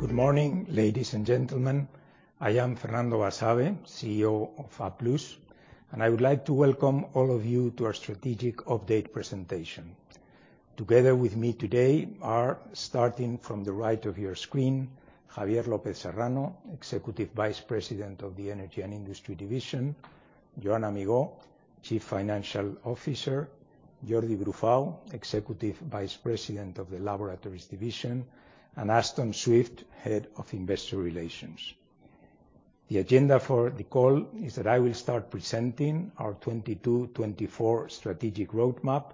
Good morning, ladies and gentlemen. I am Fernando Basabe, CEO of Applus+, and I would like to welcome all of you to our strategic update presentation. Together with me today are, starting from the right of your screen, Javier López Serrano, Executive Vice President of the Energy & Industry Division, Joan Amigó, Chief Financial Officer, Jordi Brufau, Executive Vice President of the Laboratories Division, and Aston Swift, Head of Investor Relations. The agenda for the call is that I will start presenting our 2022-2024 strategic roadmap.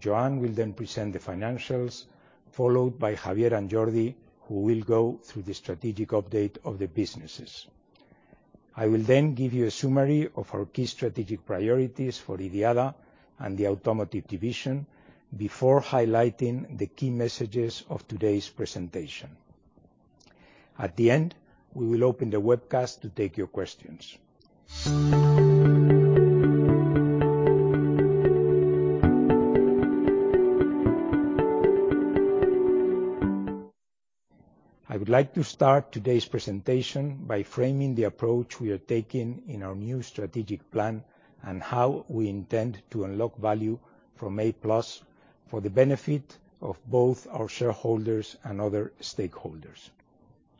Joan will then present the financials, followed by Javier and Jordi, who will go through the strategic update of the businesses. I will then give you a summary of our key strategic priorities for IDIADA and the automotive division before highlighting the key messages of today's presentation. At the end, we will open the webcast to take your questions. I would like to start today's presentation by framing the approach we are taking in our new strategic plan and how we intend to unlock value from Applus+ for the benefit of both our shareholders and other stakeholders.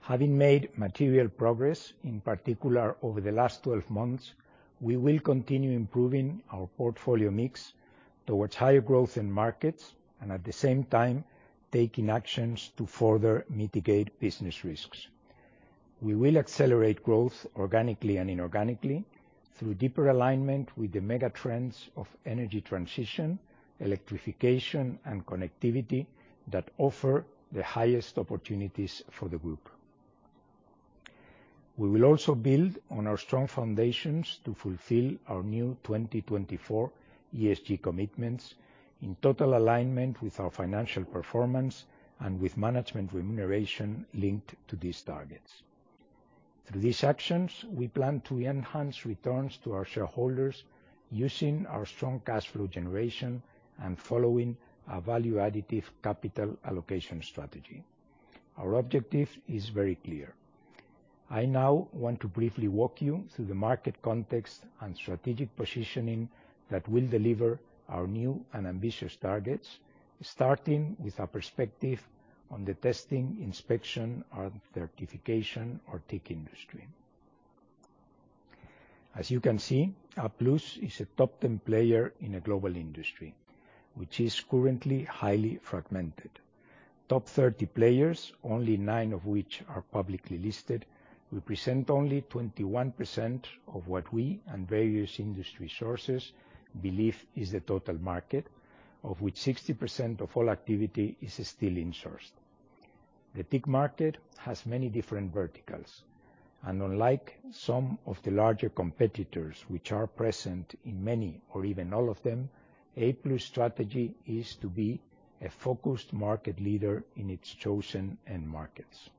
Having made material progress, in particular over the last 12 months, we will continue improving our portfolio mix towards higher growth in markets and at the same time, taking actions to further mitigate business risks. We will accelerate growth organically and inorganically through deeper alignment with the mega trends of energy transition, electrification, and connectivity that offer the highest opportunities for the group. We will also build on our strong foundations to fulfill our new 2024 ESG commitments in total alignment with our financial performance and with management remuneration linked to these targets. Through these actions, we plan to enhance returns to our shareholders using our strong cash flow generation and following a value additive capital allocation strategy. Our objective is very clear. I now want to briefly walk you through the market context and strategic positioning that will deliver our new and ambitious targets, starting with a perspective on the testing, inspection and certification or TIC industry. As you can see, Applus+ is a top 10 player in a global industry, which is currently highly fragmented. Top 30 players, only nine of which are publicly listed, represent only 21% of what we and various industry sources believe is the total market, of which 60% of all activity is still insourced. The TIC market has many different verticals, and unlike some of the larger competitors which are present in many or even all of them, Applus+’s strategy is to be a focused market leader in its chosen end markets.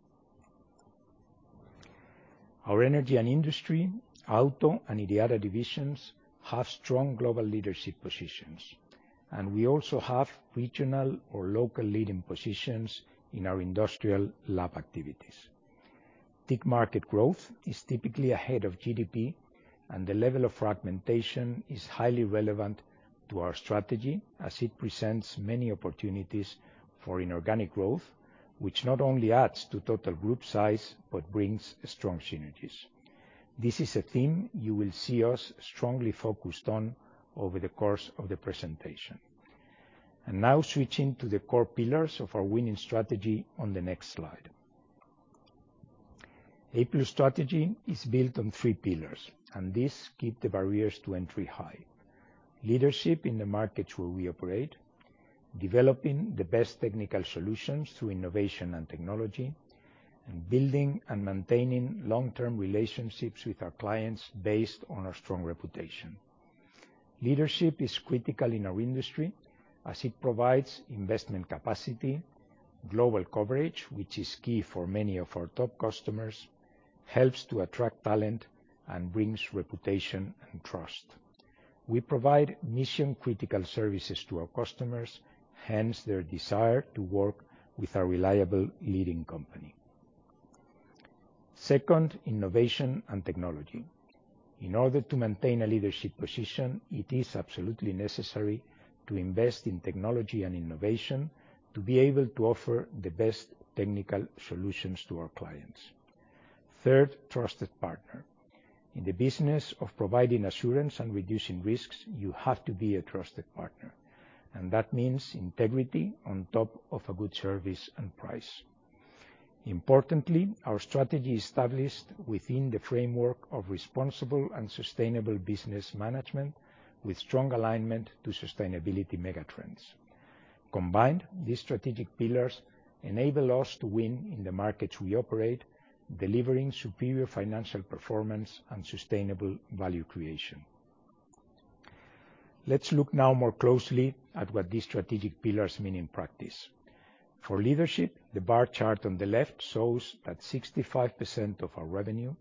Our Energy & Industry, auto and IDIADA divisions have strong global leadership positions, and we also have regional or local leading positions in our industrial lab activities. TIC market growth is typically ahead of GDP, and the level of fragmentation is highly relevant to our strategy as it presents many opportunities for inorganic growth, which not only adds to total group size, but brings strong synergies. This is a theme you will see us strongly focused on over the course of the presentation. Now switching to the core pillars of our winning strategy on the next slide. Applus+’s strategy is built on three pillars, and these keep the barriers to entry high. Leadership in the markets where we operate, developing the best technical solutions through innovation and technology, and building and maintaining long-term relationships with our clients based on our strong reputation. Leadership is critical in our industry as it provides investment capacity, global coverage, which is key for many of our top customers, helps to attract talent and brings reputation and trust. We provide mission-critical services to our customers, hence their desire to work with a reliable leading company. Second, innovation and technology. In order to maintain a leadership position, it is absolutely necessary to invest in technology and innovation to be able to offer the best technical solutions to our clients. Third, trusted partner. In the business of providing assurance and reducing risks, you have to be a trusted partner, and that means integrity on top of a good service and price. Importantly, our strategy is established within the framework of responsible and sustainable business management with strong alignment to sustainability megatrends. Combined, these strategic pillars enable us to win in the markets we operate, delivering superior financial performance and sustainable value creation. Let's look now more closely at what these strategic pillars mean in practice. For leadership, the bar chart on the left shows that 65% of our revenue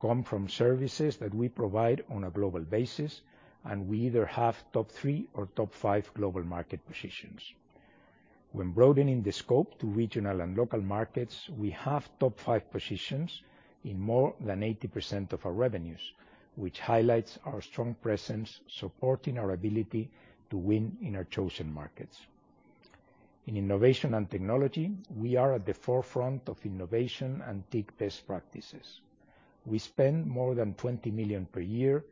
come from services that we provide on a global basis, and we either have top three or top five global market positions. When broadening the scope to regional and local markets, we have top five positions in more than 80% of our revenues, which highlights our strong presence, supporting our ability to win in our chosen markets. In innovation and technology, we are at the forefront of innovation and tech best practices. We spend more than 20 million per year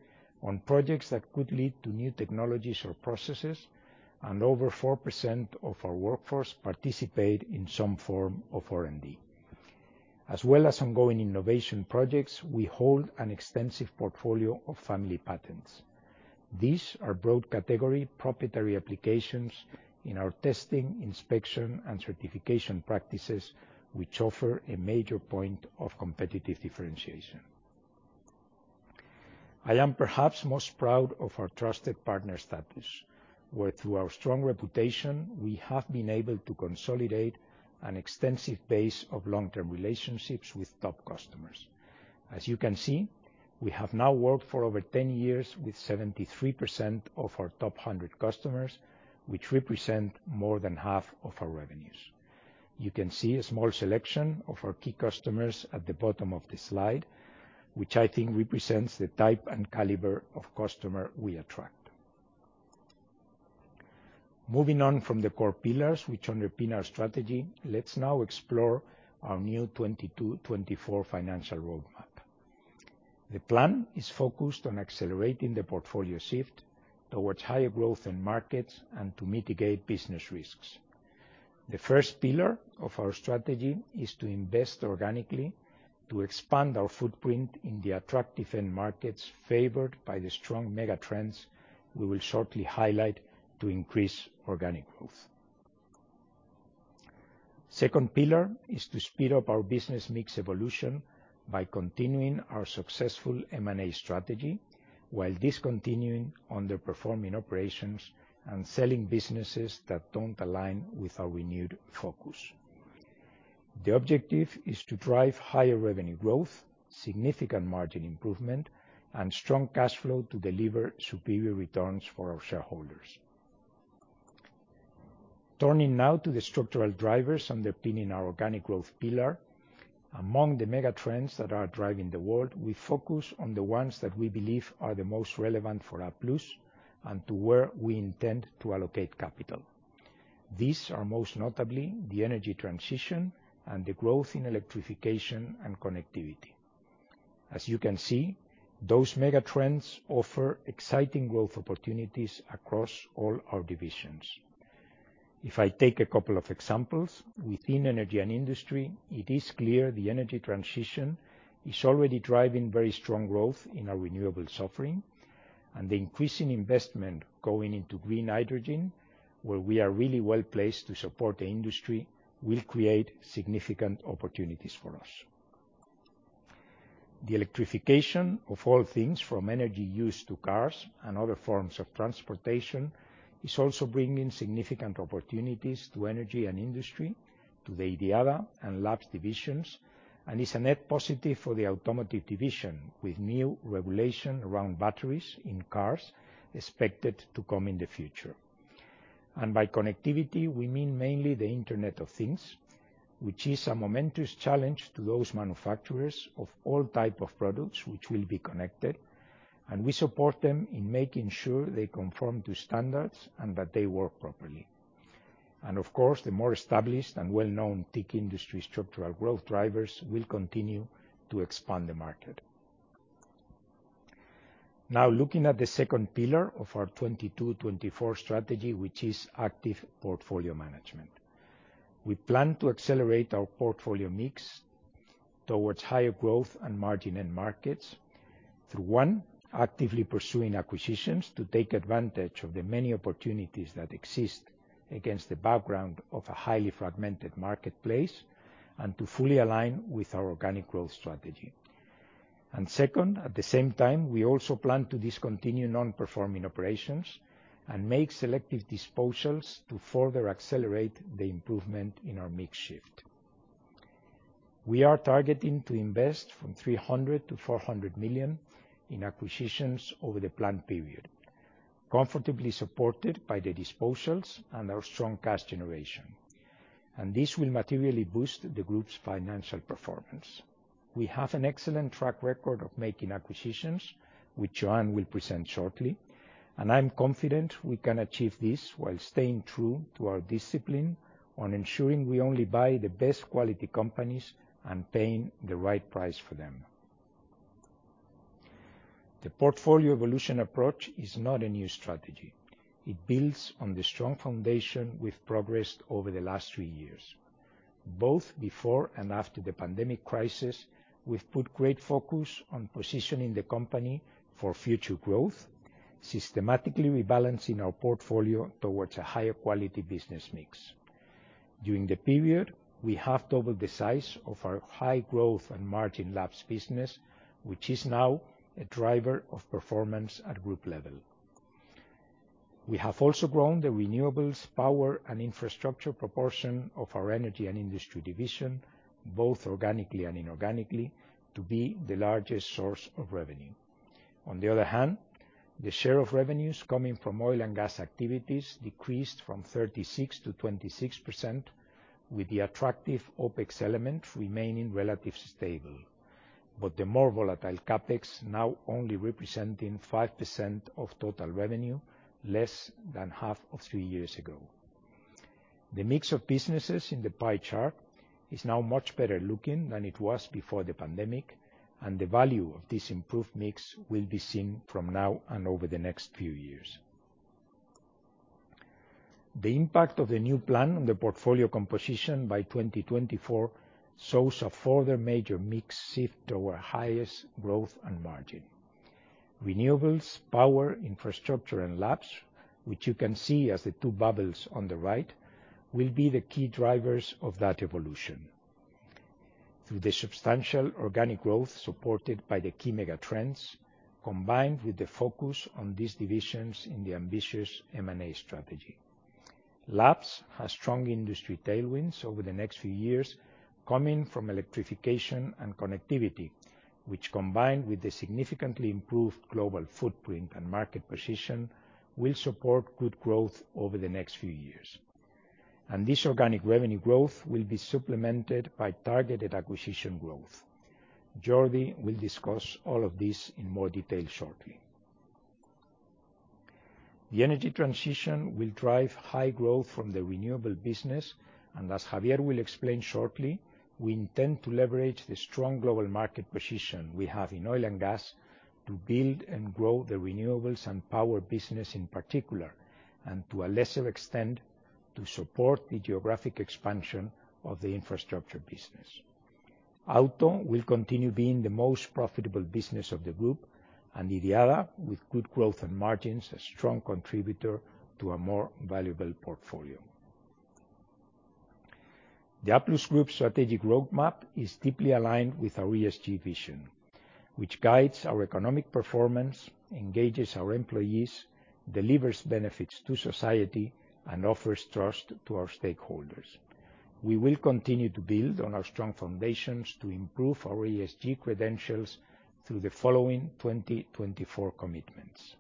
on projects that could lead to new technologies or processes, and over 4% of our workforce participate in some form of R&D. As well as ongoing innovation projects, we hold an extensive portfolio of family patents. These are broad category proprietary applications in our testing, inspection, and certification practices, which offer a major point of competitive differentiation. I am perhaps most proud of our trusted partner status, where through our strong reputation, we have been able to consolidate an extensive base of long-term relationships with top customers. As you can see, we have now worked for over 10 years with 73% of our top 100 customers, which represent more than half of our revenues. You can see a small selection of our key customers at the bottom of the slide, which I think represents the type and caliber of customer we attract. Moving on from the core pillars which underpin our strategy, let's now explore our new 2022-2024 financial roadmap. The plan is focused on accelerating the portfolio shift towards higher growth in markets and to mitigate business risks. The first pillar of our strategy is to invest organically to expand our footprint in the attractive end markets favored by the strong mega trends we will shortly highlight to increase organic growth. Second pillar is to speed up our business mix evolution by continuing our successful M&A strategy while discontinuing underperforming operations and selling businesses that don't align with our renewed focus. The objective is to drive higher revenue growth, significant margin improvement, and strong cash flow to deliver superior returns for our shareholders. Turning now to the structural drivers underpinning our organic growth pillar. Among the mega trends that are driving the world, we focus on the ones that we believe are the most relevant for Applus+ and to where we intend to allocate capital. These are most notably the energy transition and the growth in electrification and connectivity. As you can see, those mega trends offer exciting growth opportunities across all our divisions. If I take a couple of examples, within energy and industry, it is clear the energy transition is already driving very strong growth in our renewables offering and the increasing investment going into green hydrogen, where we are really well placed to support the industry, will create significant opportunities for us. The electrification of all things, from energy use to cars and other forms of transportation, is also bringing significant opportunities to energy and industry, to the IDIADA and labs divisions, and is a net positive for the automotive division, with new regulation around batteries in cars expected to come in the future. By connectivity, we mean mainly the Internet of Things, which is a momentous challenge to those manufacturers of all type of products which will be connected, and we support them in making sure they conform to standards and that they work properly. Of course, the more established and well-known tech industry structural growth drivers will continue to expand the market. Now, looking at the second pillar of our 2022/2024 strategy, which is active portfolio management. We plan to accelerate our portfolio mix towards higher growth and margin end markets through, one, actively pursuing acquisitions to take advantage of the many opportunities that exist against the background of a highly fragmented marketplace and to fully align with our organic growth strategy. Second, at the same time, we also plan to discontinue non-performing operations and make selective disposals to further accelerate the improvement in our mix shift. We are targeting to invest from 300 million-400 million in acquisitions over the planned period, comfortably supported by the disposals and our strong cash generation. This will materially boost the group's financial performance. We have an excellent track record of making acquisitions, which Joan will present shortly, and I'm confident we can achieve this while staying true to our discipline on ensuring we only buy the best quality companies and paying the right price for them. The portfolio evolution approach is not a new strategy. It builds on the strong foundation we've progressed over the last three years. Both before and after the pandemic crisis, we've put great focus on positioning the company for future growth, systematically rebalancing our portfolio towards a higher quality business mix. During the period, we have doubled the size of our high growth and margin labs business, which is now a driver of performance at group level. We have also grown the renewables power and infrastructure proportion of our energy and industry division, both organically and inorganically, to be the largest source of revenue. On the other hand, the share of revenues coming from oil and gas activities decreased from 36% to 26% with the attractive OpEx element remaining relatively stable, but the more volatile CapEx now only representing 5% of total revenue, less than half of three years ago. The mix of businesses in the pie chart is now much better looking than it was before the pandemic, and the value of this improved mix will be seen from now and over the next few years. The impact of the new plan on the portfolio composition by 2024 shows a further major mix shift to our highest growth and margin. Renewables, Power, Infrastructure, and Labs, which you can see as the two bubbles on the right, will be the key drivers of that evolution through the substantial organic growth supported by the key mega trends, combined with the focus on these divisions in the ambitious M&A strategy. Labs has strong industry tailwinds over the next few years, coming from electrification and connectivity, which combined with the significantly improved global footprint and market position, will support good growth over the next few years. This organic revenue growth will be supplemented by targeted acquisition growth. Jordi will discuss all of this in more detail shortly. The energy transition will drive high growth from the renewable business, and as Javier will explain shortly, we intend to leverage the strong global market position we have in oil and gas to build and grow the renewables and power business in particular, and to a lesser extent, to support the geographic expansion of the infrastructure business. Auto will continue being the most profitable business of the group, and IDIADA, with good growth and margins, a strong contributor to a more valuable portfolio. The Applus+ group strategic roadmap is deeply aligned with our ESG vision, which guides our economic performance, engages our employees, delivers benefits to society, and offers trust to our stakeholders. We will continue to build on our strong foundations to improve our ESG credentials through the following 2024 commitments.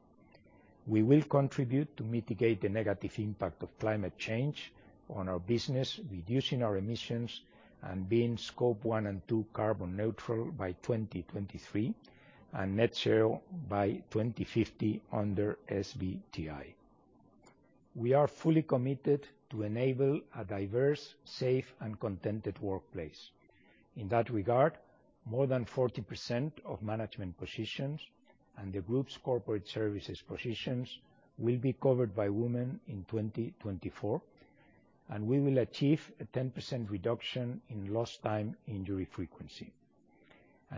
We will contribute to mitigate the negative impact of climate change on our business, reducing our emissions and being Scope 1 and 2 carbon neutral by 2023, and net zero by 2050 under SBTi. We are fully committed to enable a diverse, safe, and contented workplace. In that regard, more than 40% of management positions and the group's corporate services positions will be covered by women in 2024, and we will achieve a 10% reduction in lost time injury frequency.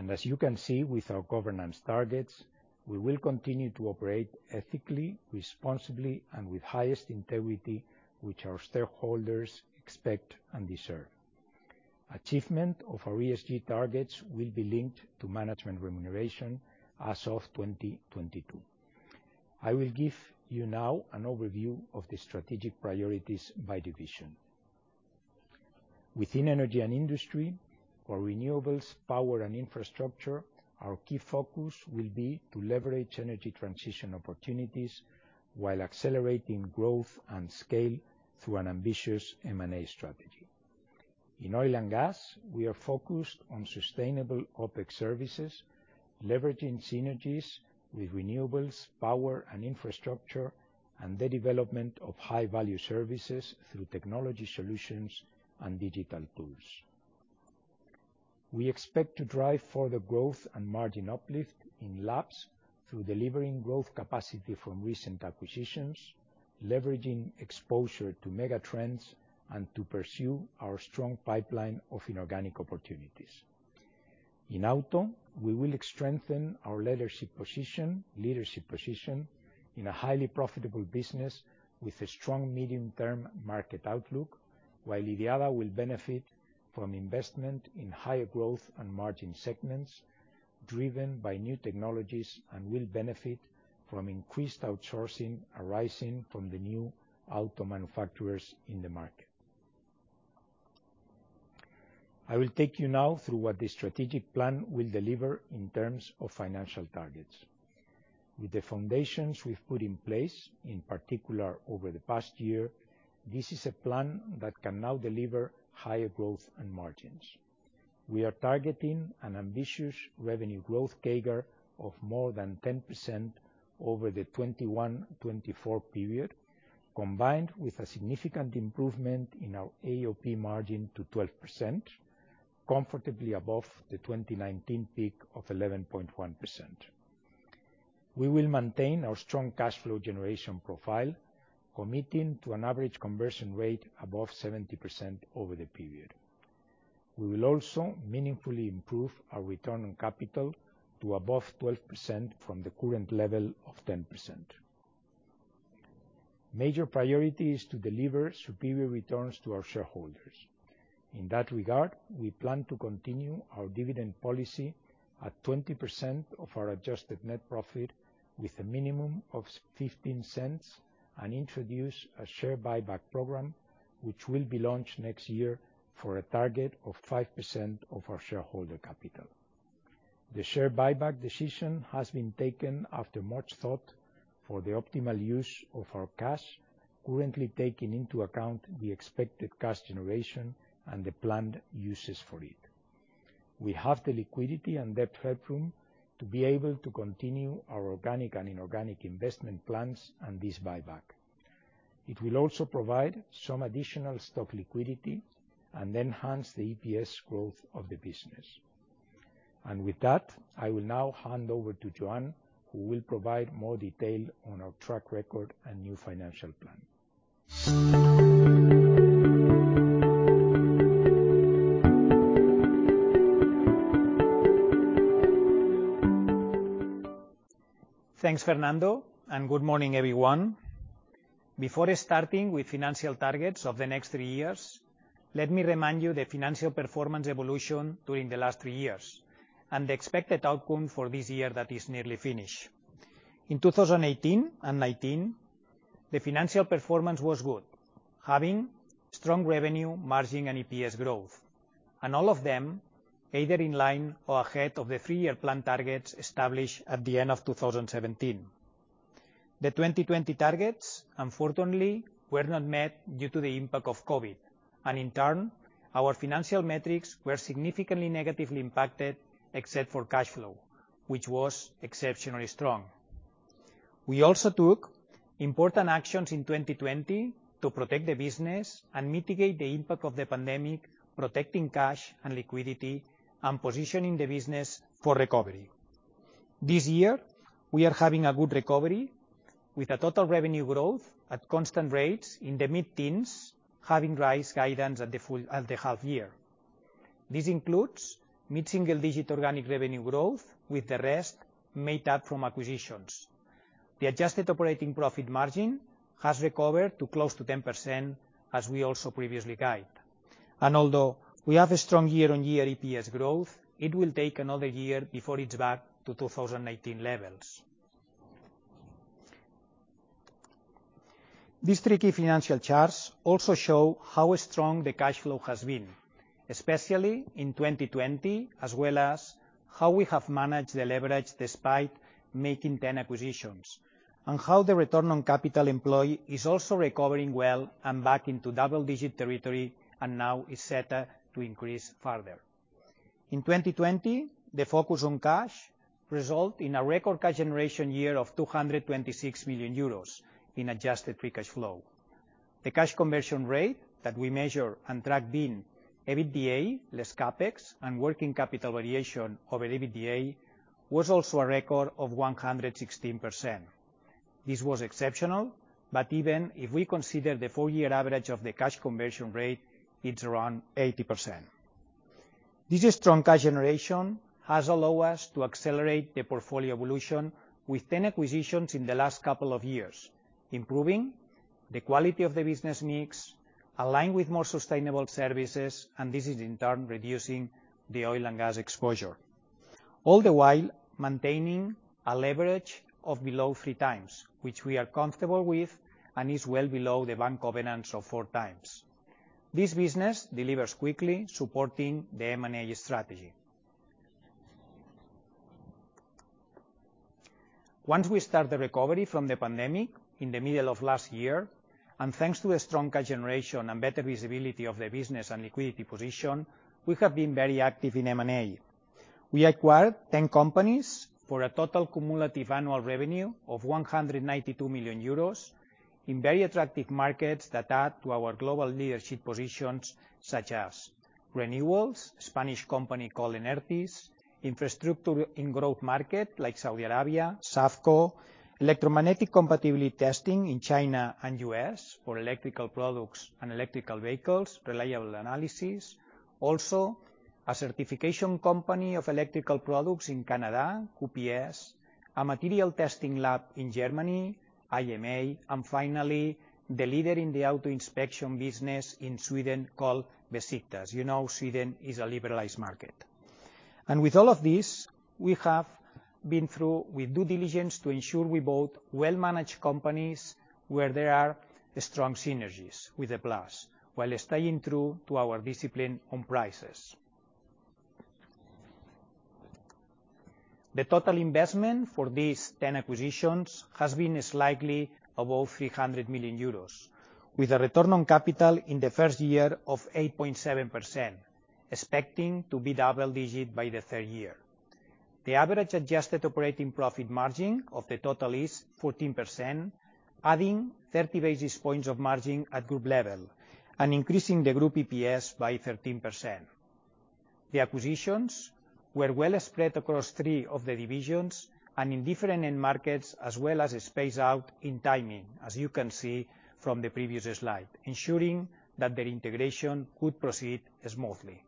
As you can see with our governance targets, we will continue to operate ethically, responsibly, and with highest integrity, which our stakeholders expect and deserve. Achievement of our ESG targets will be linked to management remuneration as of 2022. I will give you now an overview of the strategic priorities by division. Within Energy and Industry, for renewables, power, and infrastructure, our key focus will be to leverage energy transition opportunities while accelerating growth and scale through an ambitious M&A strategy. In oil and gas, we are focused on sustainable OpEx services, leveraging synergies with renewables, power, and infrastructure, and the development of high-value services through technology solutions and digital tools. We expect to drive further growth and margin uplift in Labs through delivering growth capacity from recent acquisitions, leveraging exposure to mega trends, and to pursue our strong pipeline of inorganic opportunities. In Auto, we will strengthen our leadership position in a highly profitable business with a strong medium-term market outlook, while IDIADA will benefit from investment in higher growth and margin segments driven by new technologies, and will benefit from increased outsourcing arising from the new auto manufacturers in the market. I will take you now through what the strategic plan will deliver in terms of financial targets. With the foundations we've put in place, in particular over the past year, this is a plan that can now deliver higher growth and margins. We are targeting an ambitious revenue growth CAGR of more than 10% over the 2021-2024 period, combined with a significant improvement in our AOP margin to 12%, comfortably above the 2019 peak of 11.1%. We will maintain our strong cash flow generation profile, committing to an average conversion rate above 70% over the period. We will also meaningfully improve our return on capital to above 12% from the current level of 10%. Major priority is to deliver superior returns to our shareholders. In that regard, we plan to continue our dividend policy at 20% of our adjusted net profit. With a minimum of 0.15 and introduce a share buyback program which will be launched next year for a target of 5% of our shareholder capital. The share buyback decision has been taken after much thought for the optimal use of our cash, currently taking into account the expected cash generation and the planned uses for it. We have the liquidity and debt headroom to be able to continue our organic and inorganic investment plans and this buyback. It will also provide some additional stock liquidity and enhance the EPS growth of the business. With that, I will now hand over to Joan Amigó, who will provide more detail on our track record and new financial plan. Thanks, Fernando, and good morning, everyone. Before starting with financial targets of the next three years, let me remind you the financial performance evolution during the last three years and the expected outcome for this year that is nearly finished. In 2018 and 2019, the financial performance was good, having strong revenue, margin, and EPS growth, and all of them either in line or ahead of the three-year plan targets established at the end of 2017. The 2020 targets, unfortunately, were not met due to the impact of COVID. In turn, our financial metrics were significantly negatively impacted, except for cash flow, which was exceptionally strong. We also took important actions in 2020 to protect the business and mitigate the impact of the pandemic, protecting cash and liquidity and positioning the business for recovery. This year, we are having a good recovery with a total revenue growth at constant rates in the mid-teens, having raised guidance at the half year. This includes mid-single digit organic revenue growth with the rest made up from acquisitions. The adjusted operating profit margin has recovered to close to 10% as we also previously guide. Although we have a strong year-on-year EPS growth, it will take another year before it's back to 2019 levels. These tricky financial charts also show how strong the cash flow has been, especially in 2020, as well as how we have managed the leverage despite making 10 acquisitions, and how the return on capital employed is also recovering well and back into double-digit territory and now is set to increase further. In 2020, the focus on cash resulted in a record cash generation year of 226 million euros in adjusted free cash flow. The cash conversion rate that we measure and track being EBITDA, less CapEx and working capital variation of an EBITDA, was also a record of 116%. This was exceptional, but even if we consider the 4-year average of the cash conversion rate, it's around 80%. This strong cash generation has allowed us to accelerate the portfolio evolution with 10 acquisitions in the last couple of years, improving the quality of the business mix, aligned with more sustainable services, and this is in turn reducing the oil and gas exposure, all the while maintaining a leverage of below 3x, which we are comfortable with and is well below the bank covenants of 4x. This business delivers quickly, supporting the M&A strategy. Once we start the recovery from the pandemic in the middle of last year, and thanks to a strong cash generation and better visibility of the business and liquidity position, we have been very active in M&A. We acquired 10 companies for a total cumulative annual revenue of 192 million euros in very attractive markets that add to our global leadership positions, such as renewables, Spanish company called Enertis, infrastructure in growth market like Saudi Arabia, SAFCO, Electromagnetic Compatibility Testing in China and U.S. for electrical products and electrical vehicles, Reliable Analysis. Also, a certification company of electrical products in Canada, QPS, a material testing lab in Germany, IMA, and finally, the leader in the auto inspection business in Sweden called Besikta. You know Sweden is a liberalized market. With all of this, we have been through with due diligence to ensure we build well-managed companies where there are strong synergies with Applus+ while staying true to our discipline on prices. The total investment for these 10 acquisitions has been slightly above 300 million euros with a return on capital in the 1st year of 8.7%, expecting to be double-digit by the 3rd year. The average adjusted operating profit margin of the total is 14%, adding 30 basis points of margin at group level and increasing the group EPS by 13%. The acquisitions were well spread across three of the divisions and in different end markets, as well as spaced out in timing, as you can see from the previous slide, ensuring that their integration could proceed smoothly.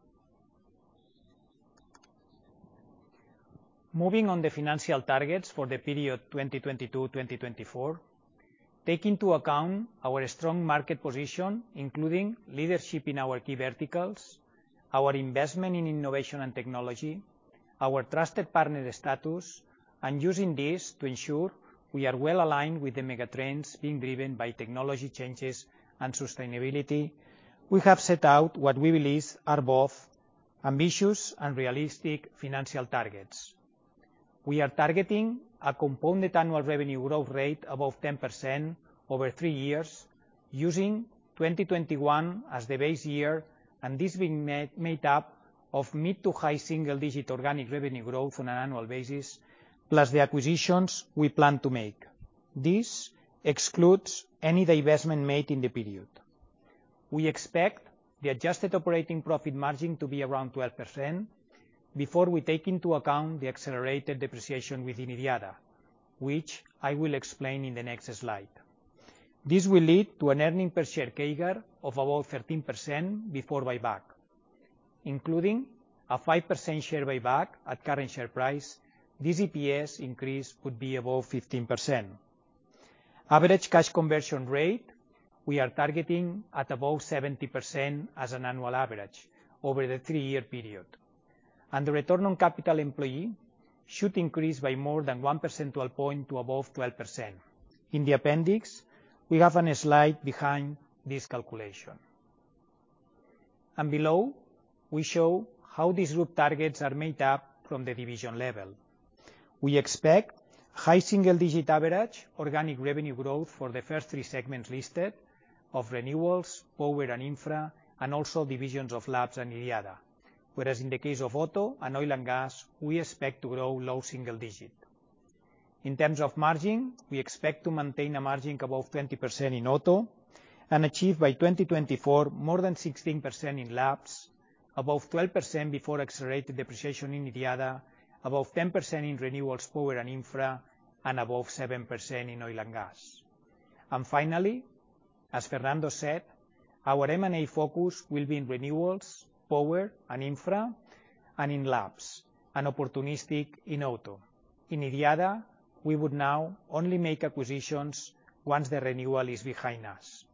Moving on to the financial targets for the period 2022-2024, taking into account our strong market position, including leadership in our key verticals, our investment in innovation and technology, our trusted partner status, and using this to ensure we are well-aligned with the mega trends being driven by technology changes and sustainability. We have set out what we believe are both ambitious and realistic financial targets. We are targeting a compound annual revenue growth rate above 10% over three years, using 2021 as the base year, and this being made up of mid-to-high single-digit organic revenue growth on an annual basis, plus the acquisitions we plan to make. This excludes any divestment made in the period. We expect the adjusted operating profit margin to be around 12% before we take into account the accelerated depreciation within IDIADA, which I will explain in the next slide. This will lead to an earnings per share CAGR of about 13% before buyback, including a 5% share buyback at current share price. This EPS increase would be above 15%. Average cash conversion rate, we are targeting at above 70% as an annual average over the three-year period. The return on capital employed should increase by more than 1 percentage point to above 12%. In the appendix, we have a slide behind this calculation. Below, we show how these group targets are made up from the division level. We expect high single digit average organic revenue growth for the first three segments listed of Renewables, Power and Infra, and also divisions of Labs and IDIADA. Whereas in the case of Auto and Oil and Gas, we expect to grow low single digit. In terms of margin, we expect to maintain a margin above 20% in Auto, and achieve by 2024 more than 16% in Labs, above 12% before accelerated depreciation in IDIADA, above 10% in Renewables, Power and Infra, and above 7% in Oil and Gas. Finally, as Fernando said, our M&A focus will be in renewables, Power and Infra, and in Labs, and opportunistic in Auto. In IDIADA, we would now only make acquisitions once the renewables is behind us.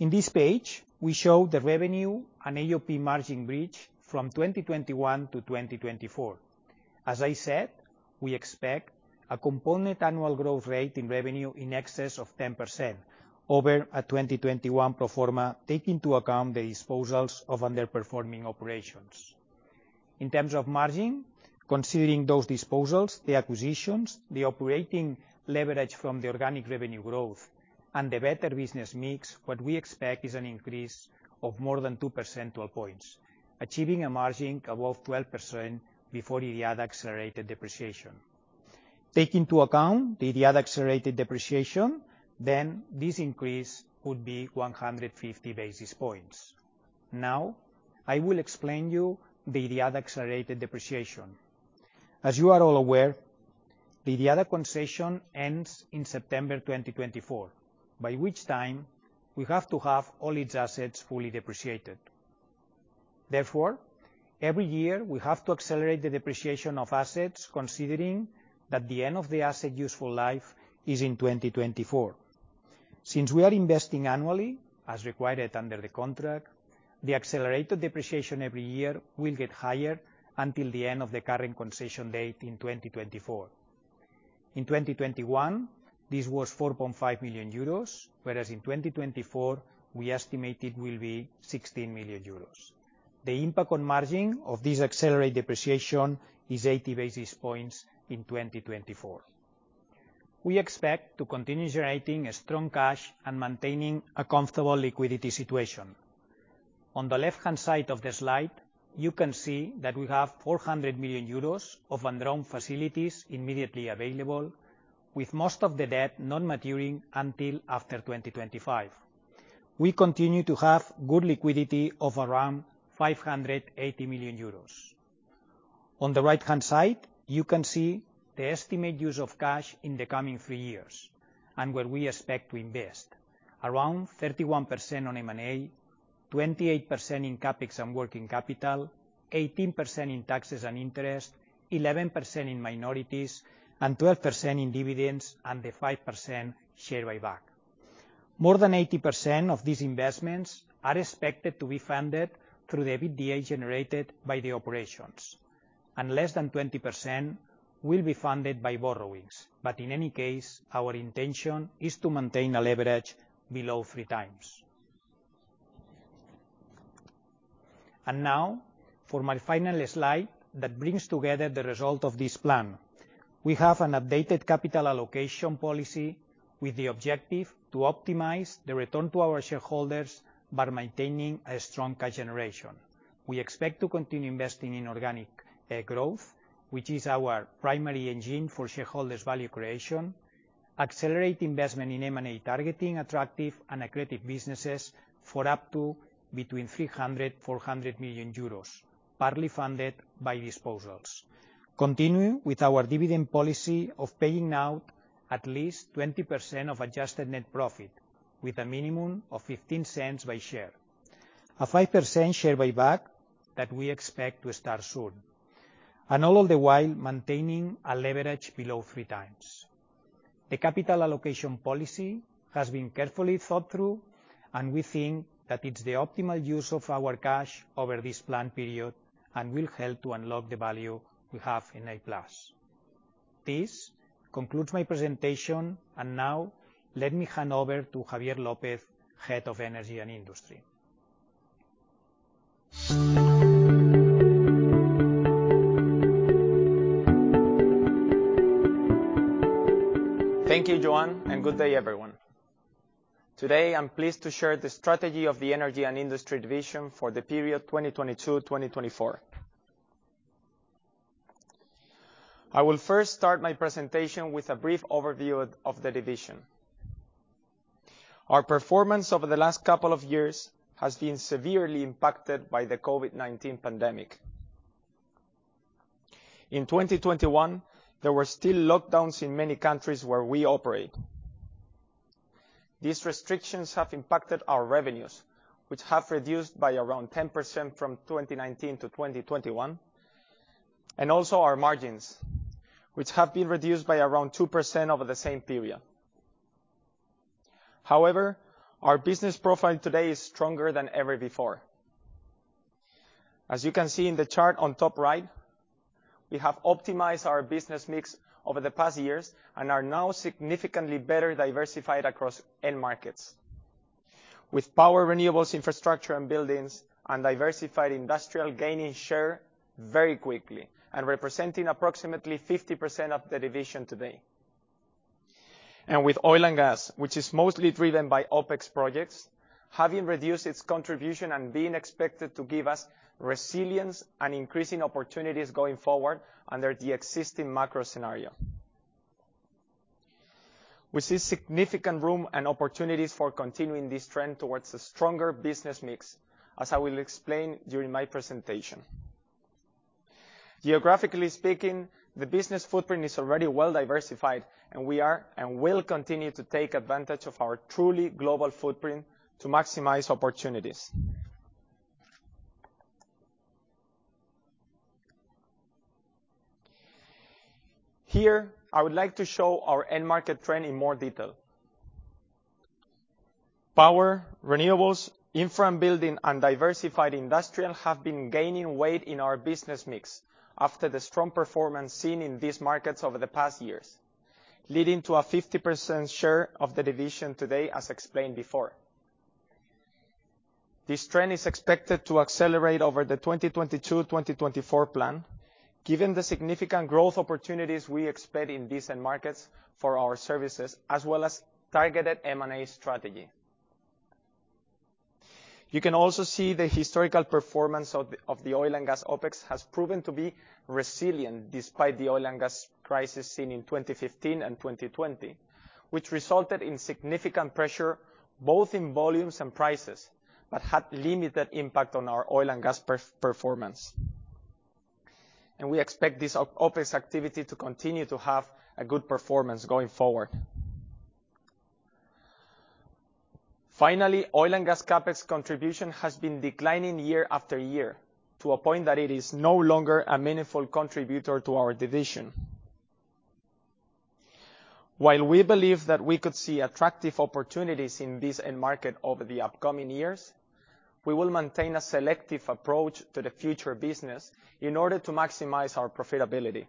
In this page, we show the revenue and AOP margin bridge from 2021 to 2024. As I said, we expect a compound annual growth rate in revenue in excess of 10% over a 2021 pro forma, taking into account the disposals of underperforming operations. In terms of margin, considering those disposals, the acquisitions, the operating leverage from the organic revenue growth and the better business mix, what we expect is an increase of more than two percentage points, achieving a margin above 12% before IDIADA accelerated depreciation. Taking into account the IDIADA accelerated depreciation, then this increase would be 150 basis points. Now, I will explain to you the IDIADA accelerated depreciation. As you are all aware, the IDIADA concession ends in September 2024, by which time we have to have all its assets fully depreciated. Therefore, every year, we have to accelerate the depreciation of assets considering that the end of the asset useful life is in 2024. Since we are investing annually, as required under the contract, the accelerated depreciation every year will get higher until the end of the current concession date in 2024. In 2021, this was 4.5 million euros, whereas in 2024, we estimate it will be 16 million euros. The impact on margin of this accelerated depreciation is 80 basis points in 2024. We expect to continue generating a strong cash and maintaining a comfortable liquidity situation. On the left-hand side of the slide, you can see that we have 400 million euros of undrawn facilities immediately available, with most of the debt non-maturing until after 2025. We continue to have good liquidity of around 580 million euros. On the right-hand side, you can see the estimated use of cash in the coming 3 years and what we expect to invest. Around 31% on M&A, 28% in CapEx and working capital, 18% in taxes and interest, 11% in minorities, and 12% in dividends, and the 5% share buyback. More than 80% of these investments are expected to be funded through the EBITDA generated by the operations, and less than 20% will be funded by borrowings. In any case, our intention is to maintain a leverage below 3x. Now, for my final slide that brings together the result of this plan, we have an updated capital allocation policy with the objective to optimize the return to our shareholders by maintaining a strong cash generation. We expect to continue investing in organic growth, which is our primary engine for shareholders' value creation, accelerate investment in M&A, targeting attractive and accretive businesses for up to between 300 million euros and EUR 400 million, partly funded by disposals. Continue with our dividend policy of paying out at least 20% of adjusted net profit with a minimum of 15 cents per share. A 5% share buyback that we expect to start soon, and all the while maintaining a leverage below 3 times. A capital allocation policy has been carefully thought through, and we think that it's the optimal use of our cash over this planned period and will help to unlock the value we have in Applus+. This concludes my presentation, and now let me hand over to Javier López Serrano, Head of Energy and Industry. Thank you, Joan, and good day, everyone. Today, I'm pleased to share the strategy of the Energy and Industry division for the period 2022-2024. I will first start my presentation with a brief overview of the division. Our performance over the last couple of years has been severely impacted by the COVID-19 pandemic. In 2021, there were still lockdowns in many countries where we operate. These restrictions have impacted our revenues, which have reduced by around 10% from 2019 to 2021, and also our margins, which have been reduced by around 2% over the same period. However, our business profile today is stronger than ever before. As you can see in the chart on top right, we have optimized our business mix over the past years and are now significantly better diversified across end markets. With power renewables, infrastructure and buildings and diversified industrial gaining share very quickly and representing approximately 50% of the division today. With oil and gas, which is mostly driven by OpEx projects, having reduced its contribution and being expected to give us resilience and increasing opportunities going forward under the existing macro scenario. We see significant room and opportunities for continuing this trend towards a stronger business mix, as I will explain during my presentation. Geographically speaking, the business footprint is already well-diversified, and we are, and will continue to take advantage of our truly global footprint to maximize opportunities. Here, I would like to show our end market trend in more detail. Power, renewables, infra and building, and diversified industrial have been gaining weight in our business mix after the strong performance seen in these markets over the past years, leading to a 50% share of the division today, as explained before. This trend is expected to accelerate over the 2022-2024 plan, given the significant growth opportunities we expect in these end markets for our services, as well as targeted M&A strategy. You can also see the historical performance of the oil and gas OpEx has proven to be resilient despite the oil and gas crisis seen in 2015 and 2020, which resulted in significant pressure, both in volumes and prices, but had limited impact on our oil and gas performance. We expect this OpEx activity to continue to have a good performance going forward. Finally, oil and gas CapEx contribution has been declining year after year to a point that it is no longer a meaningful contributor to our division. While we believe that we could see attractive opportunities in this end market over the upcoming years, we will maintain a selective approach to the future business in order to maximize our profitability.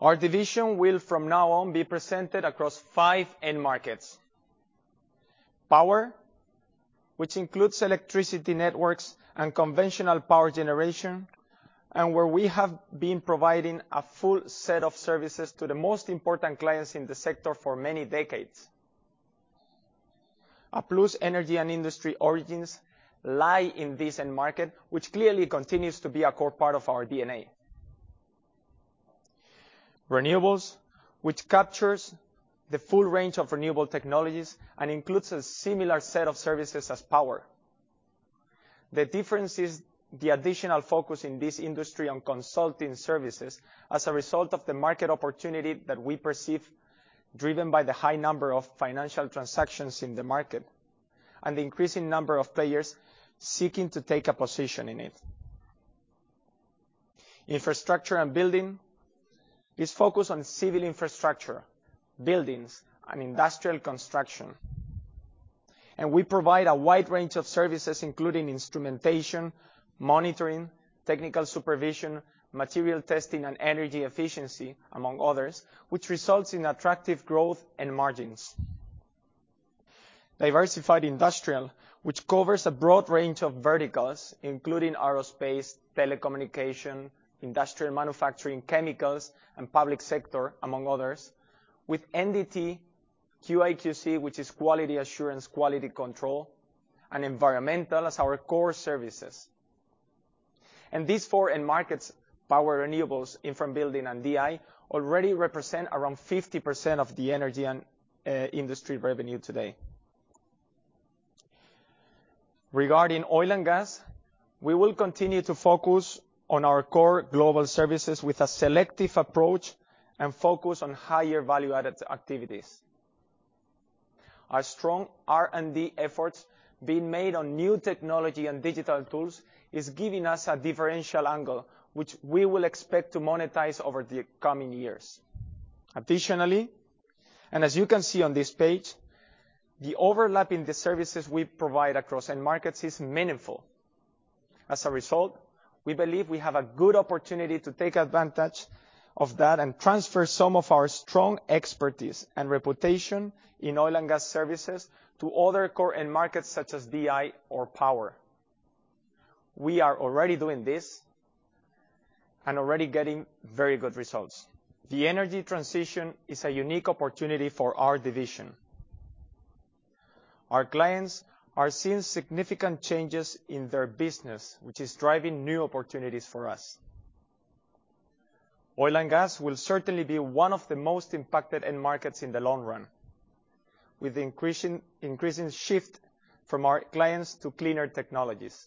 Our division will from now on be presented across five end markets. Power, which includes electricity networks and conventional power generation, and where we have been providing a full set of services to the most important clients in the sector for many decades. Applus+ Energy & Industry origins lie in this end market, which clearly continues to be a core part of our D&A. Renewables, which captures the full range of renewable technologies and includes a similar set of services as power. The difference is the additional focus in this industry on consulting services as a result of the market opportunity that we perceive, driven by the high number of financial transactions in the market and the increasing number of players seeking to take a position in it. Infrastructure and building is focused on civil infrastructure, buildings and industrial construction. We provide a wide range of services, including instrumentation, monitoring, technical supervision, material testing and energy efficiency, among others, which results in attractive growth and margins. Diversified industrial, which covers a broad range of verticals, including aerospace, telecommunication, industrial manufacturing, chemicals and public sector, among others, with NDT, QA/QC, which is quality assurance/quality control, and environmental as our core services. These four end markets, power, renewables, infra and building, and DI, already represent around 50% of the energy and industry revenue today. Regarding oil and gas, we will continue to focus on our core global services with a selective approach and focus on higher value-added activities. Our strong R&D efforts being made on new technology and digital tools is giving us a differential angle, which we will expect to monetize over the coming years. Additionally, and as you can see on this page, the overlap in the services we provide across end markets is meaningful. As a result, we believe we have a good opportunity to take advantage of that and transfer some of our strong expertise and reputation in oil and gas services to other core end markets such as DI or power. We are already doing this and already getting very good results. The energy transition is a unique opportunity for our division. Our clients are seeing significant changes in their business, which is driving new opportunities for us. Oil and gas will certainly be one of the most impacted end markets in the long run, with increasing shift from our clients to cleaner technologies.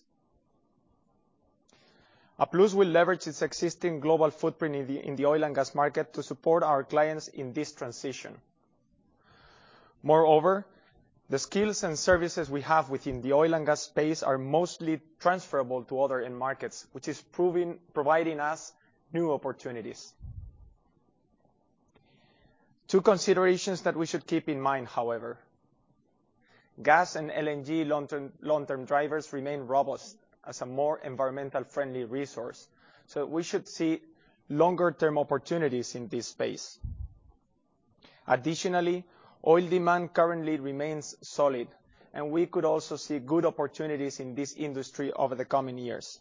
Applus+ will leverage its existing global footprint in the oil and gas market to support our clients in this transition. Moreover, the skills and services we have within the oil and gas space are mostly transferable to other end markets, which is providing us new opportunities. Two considerations that we should keep in mind, however. Gas and LNG long-term drivers remain robust as a more environmentally friendly resource, so we should see longer term opportunities in this space. Additionally, oil demand currently remains solid, and we could also see good opportunities in this industry over the coming years.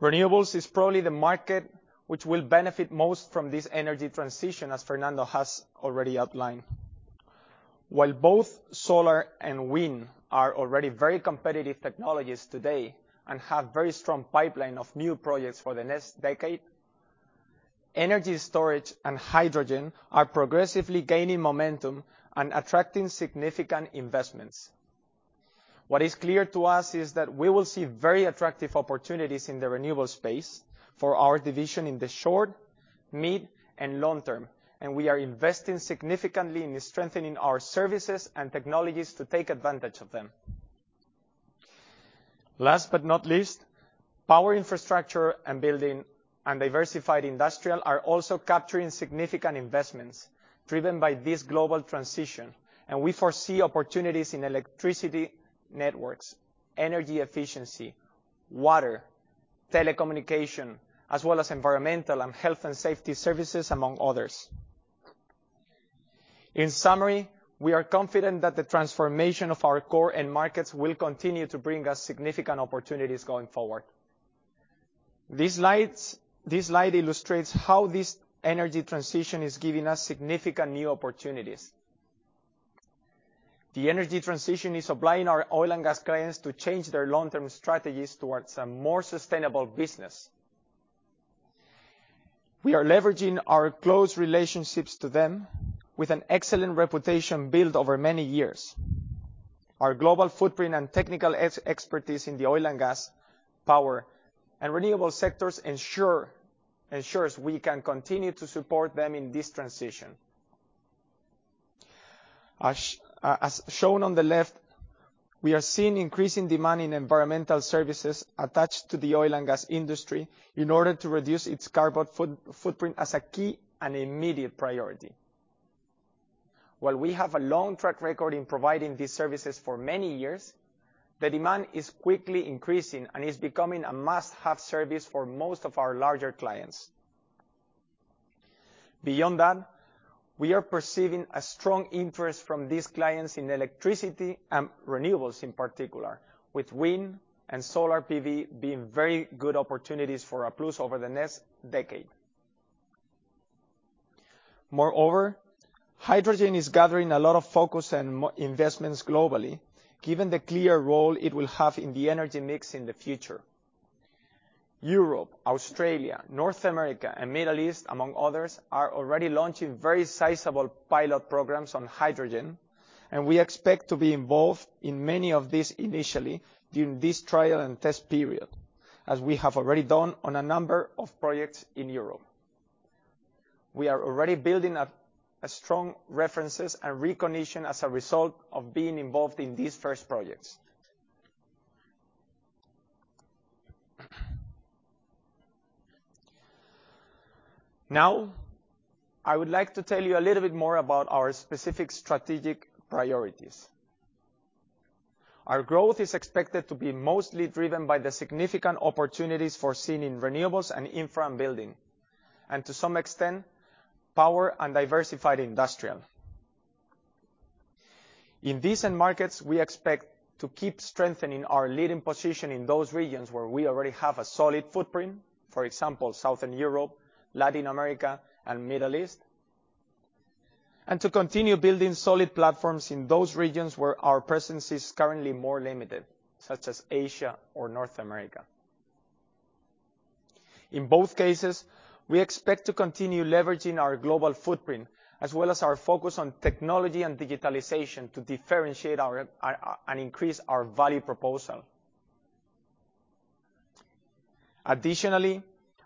Renewables is probably the market which will benefit most from this energy transition, as Fernando has already outlined. While both solar and wind are already very competitive technologies today and have very strong pipeline of new projects for the next decade, energy storage and hydrogen are progressively gaining momentum and attracting significant investments. What is clear to us is that we will see very attractive opportunities in the renewable space for our division in the short, mid, and long term, and we are investing significantly in strengthening our services and technologies to take advantage of them. Last but not least, power infrastructure and building and diversified industrial are also capturing significant investments driven by this global transition, and we foresee opportunities in electricity, networks, energy efficiency, water, telecommunication, as well as environmental and health and safety services, among others. In summary, we are confident that the transformation of our core end markets will continue to bring us significant opportunities going forward. This slide illustrates how this energy transition is giving us significant new opportunities. The energy transition is compelling our oil and gas clients to change their long-term strategies towards a more sustainable business. We are leveraging our close relationships with them with an excellent reputation built over many years. Our global footprint and technical expertise in the oil and gas, power, and renewable sectors ensures we can continue to support them in this transition. As shown on the left, we are seeing increasing demand in environmental services attached to the oil and gas industry in order to reduce its carbon footprint as a key and immediate priority. While we have a long track record in providing these services for many years, the demand is quickly increasing and is becoming a must-have service for most of our larger clients. Beyond that, we are perceiving a strong interest from these clients in electricity and renewables in particular, with wind and solar PV being very good opportunities for Applus+ over the next decade. Moreover, hydrogen is gathering a lot of focus and investments globally, given the clear role it will have in the energy mix in the future. Europe, Australia, North America, and Middle East, among others, are already launching very sizable pilot programs on hydrogen, and we expect to be involved in many of these initially during this trial and test period, as we have already done on a number of projects in Europe. We are already building up a strong references and recognition as a result of being involved in these first projects. Now, I would like to tell you a little bit more about our specific strategic priorities. Our growth is expected to be mostly driven by the significant opportunities foreseen in renewables and infra and building, and to some extent, power and diversified industrial. In these end markets, we expect to keep strengthening our leading position in those regions where we already have a solid footprint. For example, Southern Europe, Latin America, and Middle East. To continue building solid platforms in those regions where our presence is currently more limited, such as Asia or North America. In both cases, we expect to continue leveraging our global footprint as well as our focus on technology and digitalization to differentiate our and increase our value proposal. Additionally,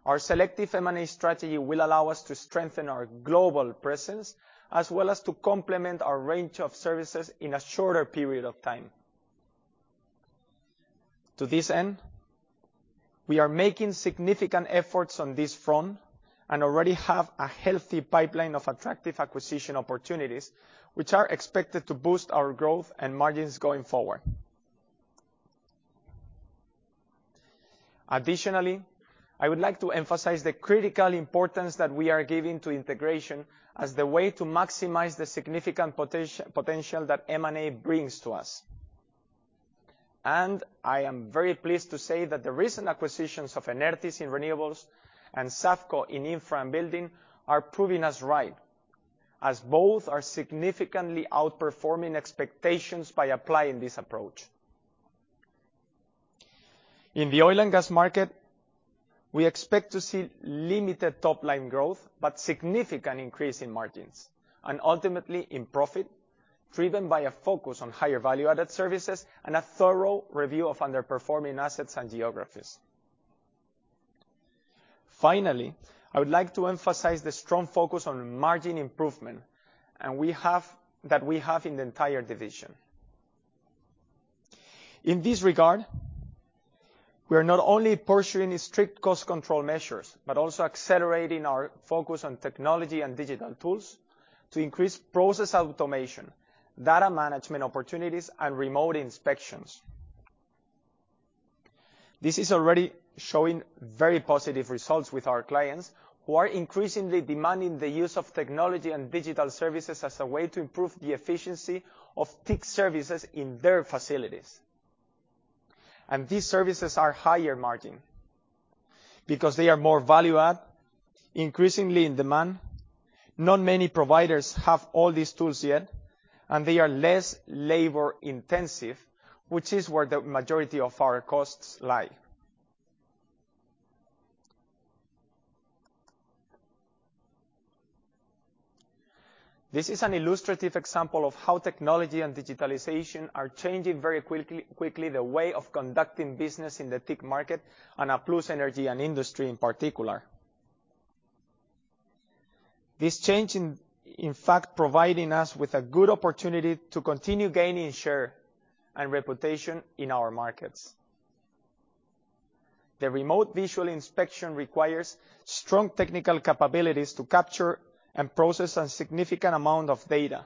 our selective M&A strategy will allow us to strengthen our global presence as well as to complement our range of services in a shorter period of time. To this end, we are making significant efforts on this front and already have a healthy pipeline of attractive acquisition opportunities, which are expected to boost our growth and margins going forward. Additionally, I would like to emphasize the critical importance that we are giving to integration as the way to maximize the significant potential that M&A brings to us. I am very pleased to say that the recent acquisitions of Enertis in renewables and SAFCO in infra and building are proving us right, as both are significantly outperforming expectations by applying this approach. In the oil and gas market, we expect to see limited top-line growth, but significant increase in margins and ultimately in profit, driven by a focus on higher value-added services and a thorough review of underperforming assets and geographies. Finally, I would like to emphasize the strong focus on margin improvement that we have in the entire division. In this regard, we are not only pursuing strict cost control measures, but also accelerating our focus on technology and digital tools to increase process automation, data management opportunities, and remote inspections. This is already showing very positive results with our clients, who are increasingly demanding the use of technology and digital services as a way to improve the efficiency of TIC services in their facilities. These services are higher margin because they are more value add, increasingly in demand, not many providers have all these tools yet, and they are less labor-intensive, which is where the majority of our costs lie. This is an illustrative example of how technology and digitalization are changing very quickly the way of conducting business in the TIC market and Applus+ Energy & Industry in particular. This change, in fact, providing us with a good opportunity to continue gaining share and reputation in our markets. The remote visual inspection requires strong technical capabilities to capture and process a significant amount of data.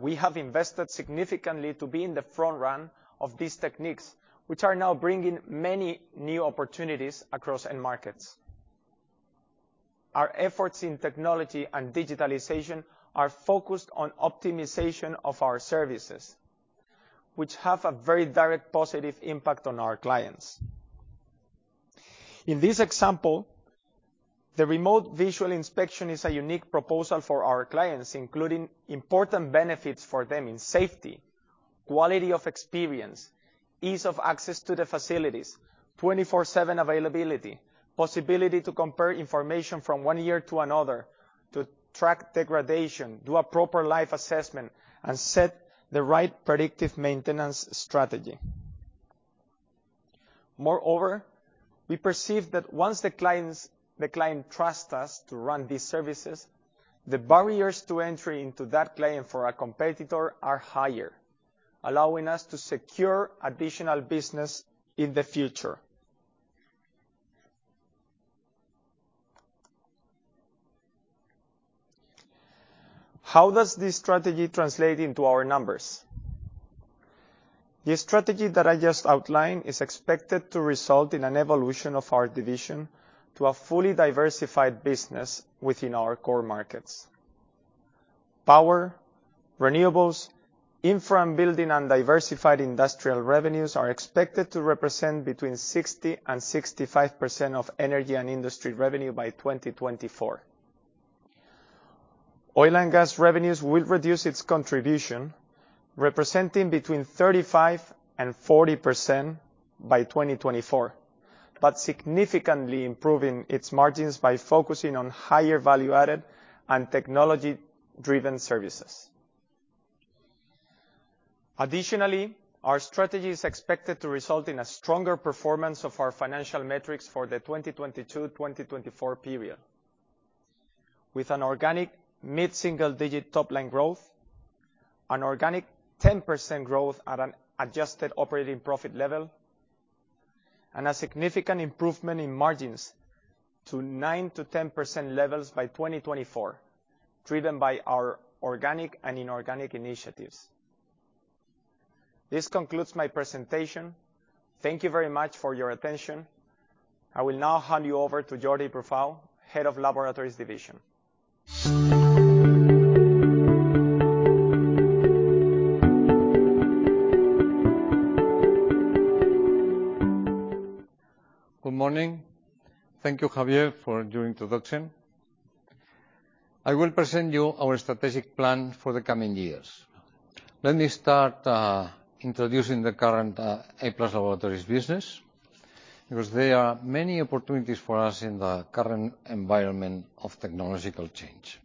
We have invested significantly to be in the front run of these techniques, which are now bringing many new opportunities across end markets. Our efforts in technology and digitalization are focused on optimization of our services, which have a very direct positive impact on our clients. In this example, the remote visual inspection is a unique proposal for our clients, including important benefits for them in safety, quality of experience, ease of access to the facilities, 24/7 availability, possibility to compare information from one year to another, to track degradation, do a proper life assessment, and set the right predictive maintenance strategy. Moreover, we perceive that once the client trusts us to run these services, the barriers to entry into that client for our competitor are higher, allowing us to secure additional business in the future. How does this strategy translate into our numbers? The strategy that I just outlined is expected to result in an evolution of our division to a fully diversified business within our core markets. Power, renewables, infra and building and diversified industrial revenues are expected to represent between 60% and 65% of energy and industry revenue by 2024. Oil and gas revenues will reduce its contribution, representing between 35% and 40% by 2024, but significantly improving its margins by focusing on higher value-added and technology-driven services. Additionally, our strategy is expected to result in a stronger performance of our financial metrics for the 2022-2024 period. With an organic mid-single-digit top-line growth, an organic 10% growth at an adjusted operating profit level, and a significant improvement in margins to 9%-10% levels by 2024, driven by our organic and inorganic initiatives. This concludes my presentation. Thank you very much for your attention. I will now hand you over to Jordi Brufau, Head of Laboratories Division. Good morning. Thank you, Javier, for your introduction. I will present you our strategic plan for the coming years. Let me start introducing the current Applus+ Laboratories business, because there are many opportunities for us in the current environment of technological change.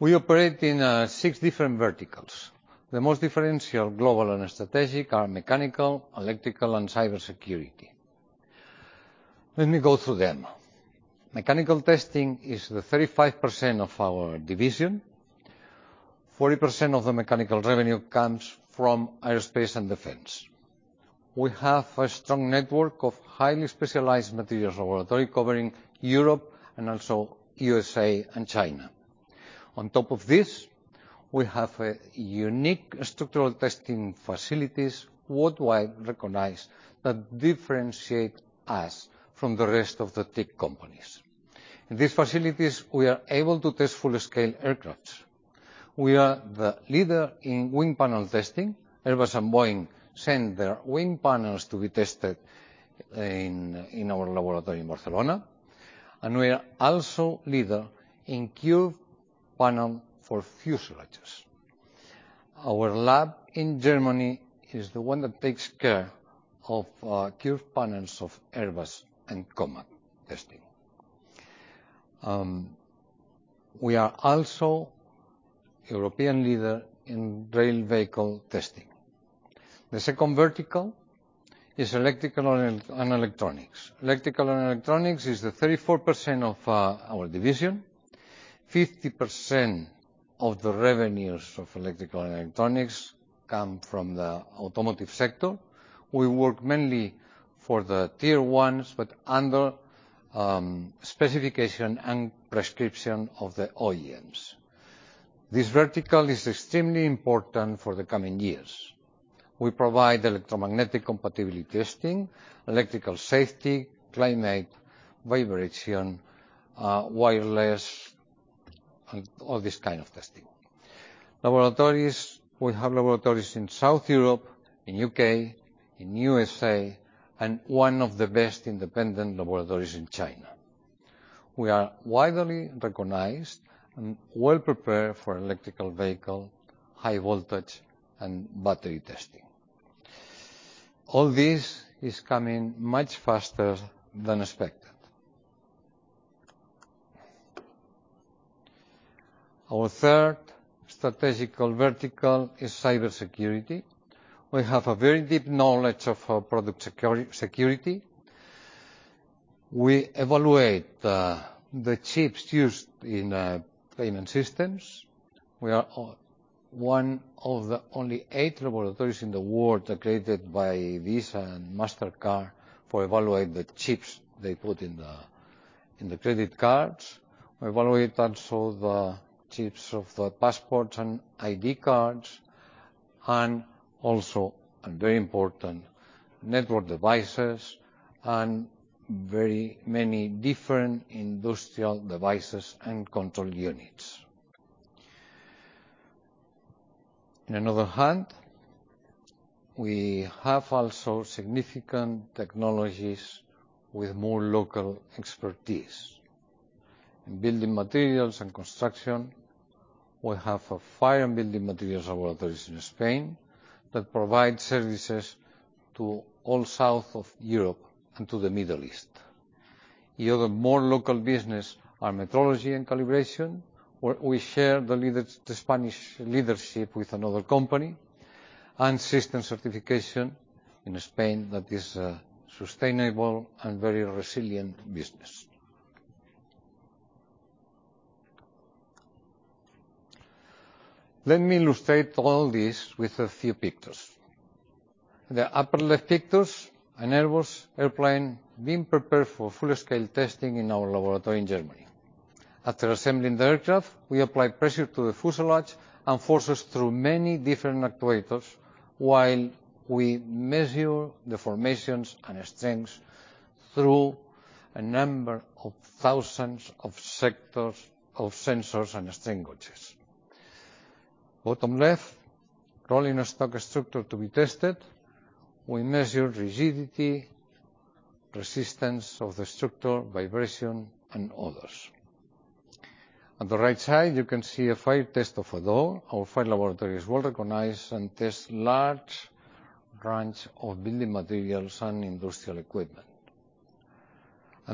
We operate in six different verticals. The most differential, global, and strategic are mechanical, electrical, and cybersecurity. Let me go through them. Mechanical testing is the 35% of our division. 40% of the mechanical revenue comes from aerospace and defense. We have a strong network of highly specialized materials laboratory covering Europe and also USA and China. On top of this, we have a unique structural testing facilities worldwide recognized that differentiate us from the rest of the TIC companies. In these facilities, we are able to test full-scale aircraft. We are the leader in wing panel testing. Airbus and Boeing send their wing panels to be tested in our laboratory in Barcelona, and we are also leader in curved panel for fuselages. Our lab in Germany is the one that takes care of curved panels of Airbus and COMAC testing. We are also European leader in rail vehicle testing. The second vertical is electrical and electronics. Electrical and electronics is the 34% of our division. 50% of the revenues of electrical and electronics come from the automotive sector. We work mainly for the tier ones, but under specification and prescription of the OEMs. This vertical is extremely important for the coming years. We provide electromagnetic compatibility testing, electrical safety, climate, vibration, wireless, and all this kind of testing. Laboratories, we have laboratories in Southern Europe, in U.K., in U.S.A., and one of the best independent laboratories in China. We are widely recognized and well prepared for electric vehicle, high voltage, and battery testing. All this is coming much faster than expected. Our third strategic vertical is cybersecurity. We have a very deep knowledge of product security. We evaluate the chips used in payment systems. We are one of the only eight laboratories in the world accredited by Visa and Mastercard for evaluate the chips they put in the credit cards. We evaluate also the chips of the passports and ID cards and also very important, network devices and very many different industrial devices and control units. On the other hand, we have also significant technologies with more local expertise. In building materials and construction, we have a fire and building materials laboratories in Spain that provide services to the south of Europe and to the Middle East. The other more local businesses are metrology and calibration, where we share the Spanish leadership with another company, and system certification in Spain that is a sustainable and very resilient business. Let me illustrate all this with a few pictures. The upper left pictures, an Airbus airplane being prepared for full-scale testing in our laboratory in Germany. After assembling the aircraft, we apply pressure to the fuselage and forces through many different actuators while we measure deformations and strength through a number of thousands of sensors and strain gauges. Bottom left, rolling a stock structure to be tested. We measure rigidity, resistance of the structure, vibration, and others. On the right side, you can see a fire test of a door. Our fire laboratory is well-recognized and tests large range of building materials and industrial equipment.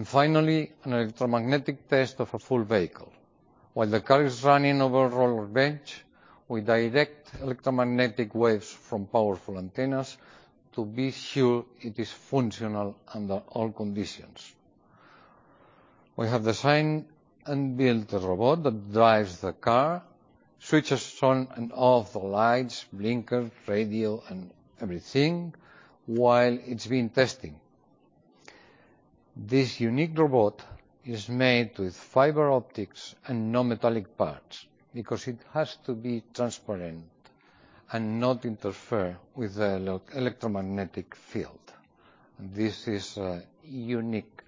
Finally, an electromagnetic test of a full vehicle. While the car is running over roller bench, we direct electromagnetic waves from powerful antennas to be sure it is functional under all conditions. We have designed and built a robot that drives the car, switches on and off the lights, blinker, radio, and everything while it's being tested. This unique robot is made with fiber optics and non-metallic parts because it has to be transparent and not interfere with the electromagnetic field. This is a unique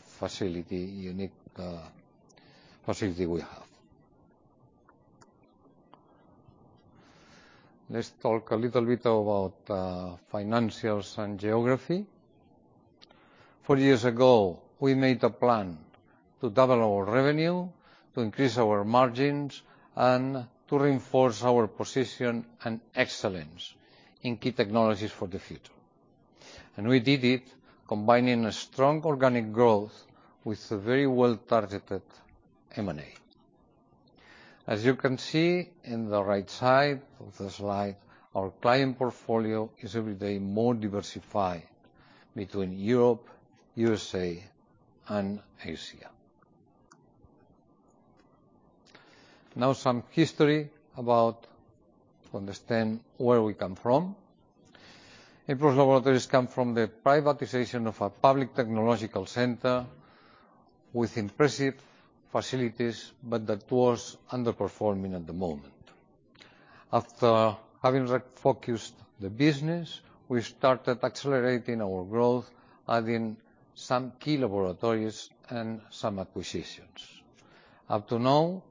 facility we have. Let's talk a little bit about financials and geography. Four years ago, we made a plan to double our revenue, to increase our margins, and to reinforce our position and excellence in key technologies for the future. We did it combining a strong organic growth with a very well-targeted M&A. As [ you can see in the right side of the slide, our client portfolio is every day more diversified between Europe, USA, and Asia. Now some history about to understand where we come from. Applus+ Laboratories come from the privatization of a public technological center with impressive facilities, but that was underperforming at the moment. After having refocused the business, we started accelerating our growth, adding some key laboratories and some acquisitions. Up to now,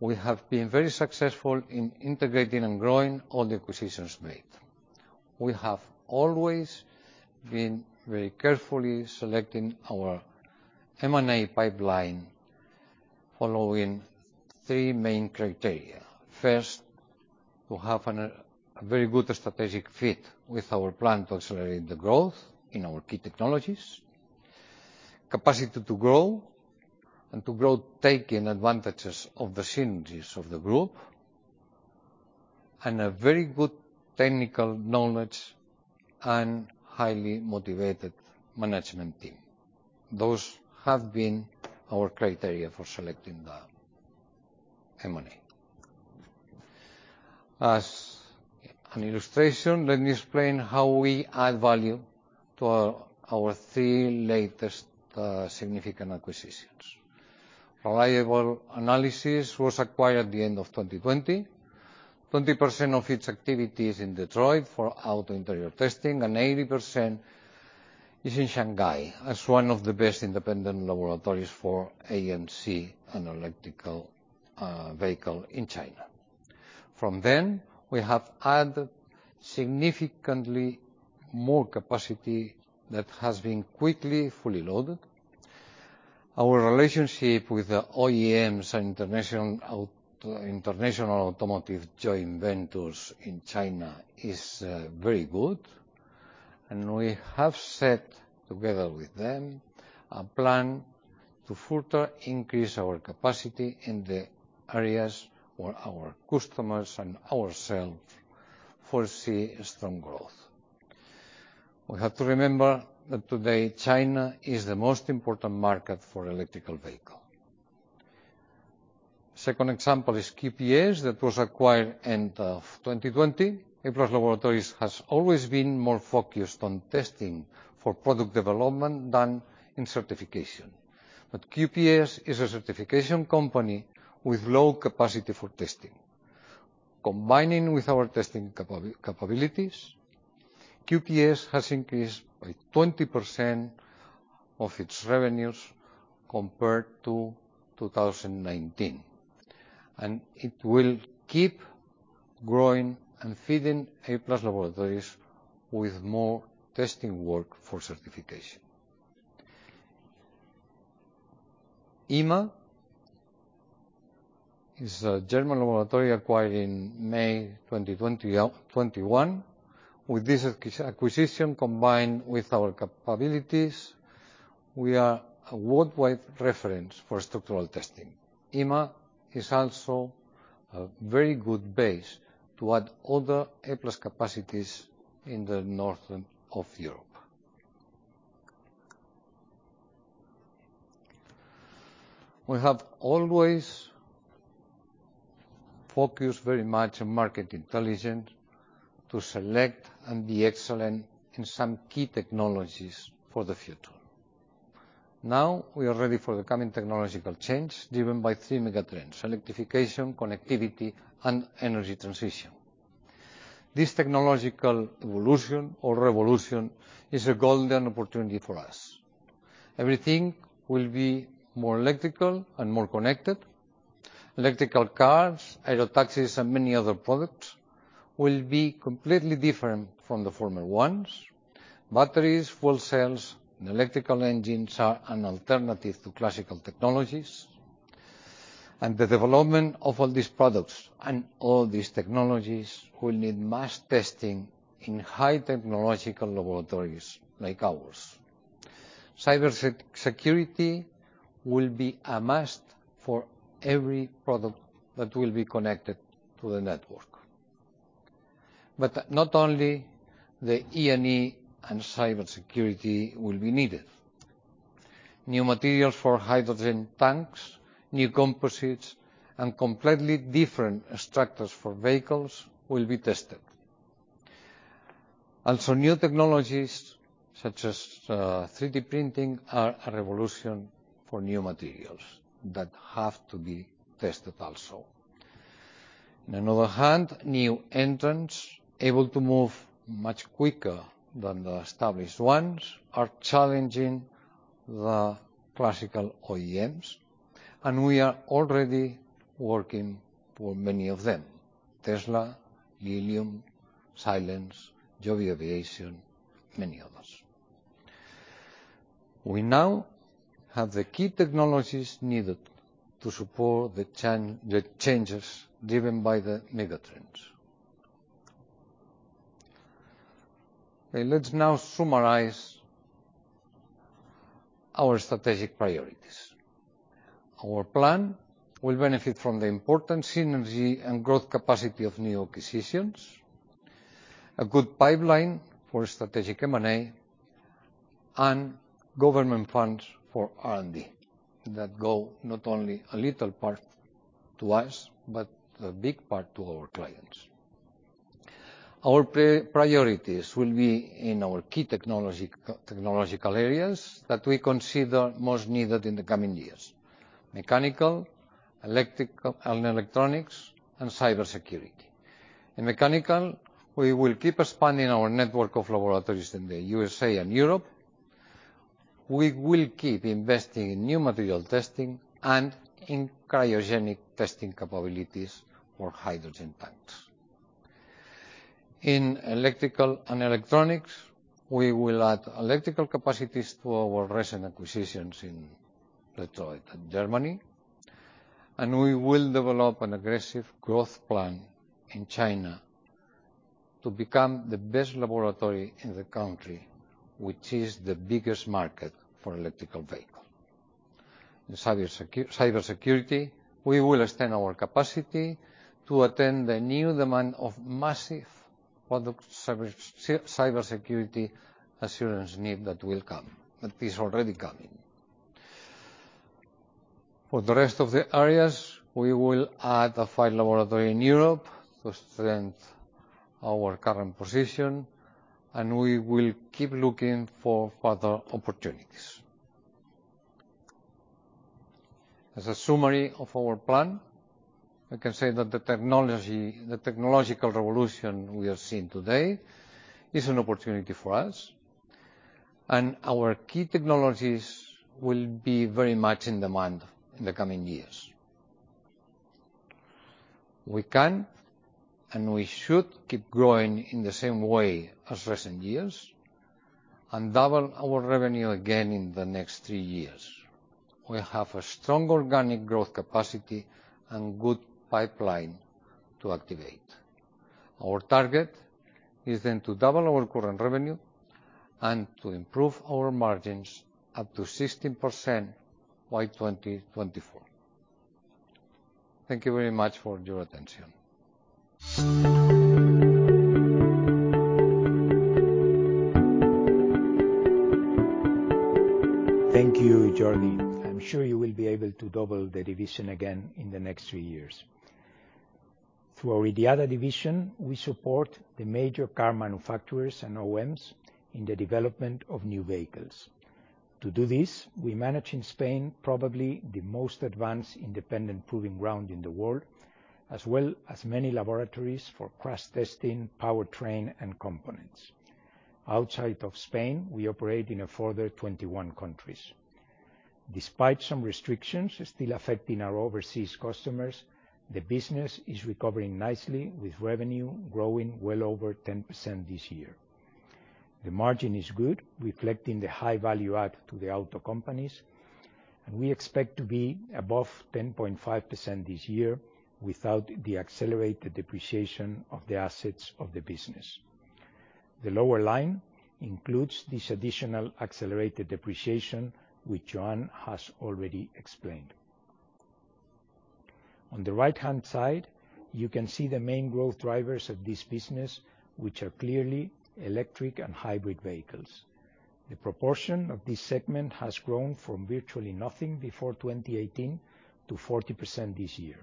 we have been very successful in integrating and growing all the acquisitions made. We have always been very carefully selecting our M&A pipeline following three main criteria. First, a very good strategic fit with our plan to accelerate the growth in our key technologies. Capacity to grow, and to grow taking advantages of the synergies of the group. A very good technical knowledge and highly motivated management team. Those have been our criteria for selecting the M&A. As an illustration, let me explain how we add value to our three latest significant acquisitions. Reliable Analysis was acquired at the end of 2020. 20% of its activity is in Detroit for auto interior testing, and 80% is in Shanghai as one of the best independent laboratories for ANC and electric vehicle in China. From then, we have added significantly more capacity that has been quickly fully loaded. Our relationship with the OEMs and international automotive joint ventures in China is very good. We have set, together with them, a plan to further increase our capacity in the areas where our customers and ourselves foresee strong growth. We have to remember that today China is the most important market for electric vehicle. Second example is QPS that was acquired end of 2020. Applus+ Laboratories has always been more focused on testing for product development than in certification. QPS is a certification company with low capacity for testing. Combining with our testing capabilities, QPS has increased by 20% of its revenues compared to 2019. It will keep growing and feeding Applus+ Laboratories with more testing work for certification. IMA is a German laboratory acquired in May 2021. With this acquisition combined with our capabilities, we are a worldwide reference for structural testing. IMA is also a very good base to add other Applus+ capacities in the north of Europe. We have always focused very much on market intelligence to select and be excellent in some key technologies for the future. Now, we are ready for the coming technological change driven by three mega trends: electrification, connectivity, and energy transition. This technological evolution or revolution is a golden opportunity for us. Everything will be more electrical and more connected. Electric cars, aero taxis, and many other products will be completely different from the former ones. Batteries, fuel cells, and electric engines are an alternative to classical technologies. The development of all these products and all these technologies will need mass testing in high technological laboratories like ours. Cybersecurity will be a must for every product that will be connected to the network. Not only the E&I and cybersecurity will be needed. New materials for hydrogen tanks, new composites, and completely different structures for vehicles will be tested. Also, new technologies such as 3D printing are a revolution for new materials that have to be tested also. On the other hand, new entrants able to move much quicker than the established ones are challenging the classical OEMs, and we are already working for many of them, Tesla, Lilium, Silence, Joby Aviation, many others. We now have the key technologies needed to support the changes driven by the mega trends. Okay, let's now summarize our strategic priorities. Our plan will benefit from the important synergy and growth capacity of new acquisitions, a good pipeline for strategic M&A, and government funds for R&D that go not only a little part to us, but a big part to our clients. Our priorities will be in our key technological areas that we consider most needed in the coming years, mechanical, electric, and electronics, and cybersecurity. In mechanical, we will keep expanding our network of laboratories in the U.S. and Europe. We will keep investing in new material testing and in cryogenic testing capabilities for hydrogen tanks. In electrical and electronics, we will add electrical capacities to our recent acquisitions in Detroit and Germany, and we will develop an aggressive growth plan in China to become the best laboratory in the country, which is the biggest market for electric vehicle. In cybersecurity, we will extend our capacity to attend the new demand of massive product cybersecurity assurance need that will come, that is already coming. For the rest of the areas, we will add five laboratories in Europe to strengthen our current position, and we will keep looking for further opportunities. As a summary of our plan, I can say that the technology, the technological revolution we are seeing today is an opportunity for us, and our key technologies will be very much in demand in the coming years. We can, and we should, keep growing in the same way as recent years and double our revenue again in the next three years. We have a strong organic growth capacity and good pipeline to activate. Our target is then to double our current revenue and to improve our margins up to 16% by 2024. Thank you very much for your attention. Thank you, Jordi. I'm sure you will be able to double the division again in the next three years. Through our IDIADA division, we support the major car manufacturers and OEMs in the development of new vehicles. To do this, we manage in Spain probably the most advanced independent proving ground in the world, as well as many laboratories for crash testing, powertrain, and components. Outside of Spain, we operate in a further 21 countries. Despite some restrictions still affecting our overseas customers, the business is recovering nicely with revenue growing well over 10% this year. The margin is good, reflecting the high value add to the auto companies, and we expect to be above 10.5% this year without the accelerated depreciation of the assets of the business. The lower line includes this additional accelerated depreciation, which Joan has already explained. On the right-hand side, you can see the main growth drivers of this business, which are clearly electric and hybrid vehicles. The proportion of this segment has grown from virtually nothing before 2018 to 40% this year.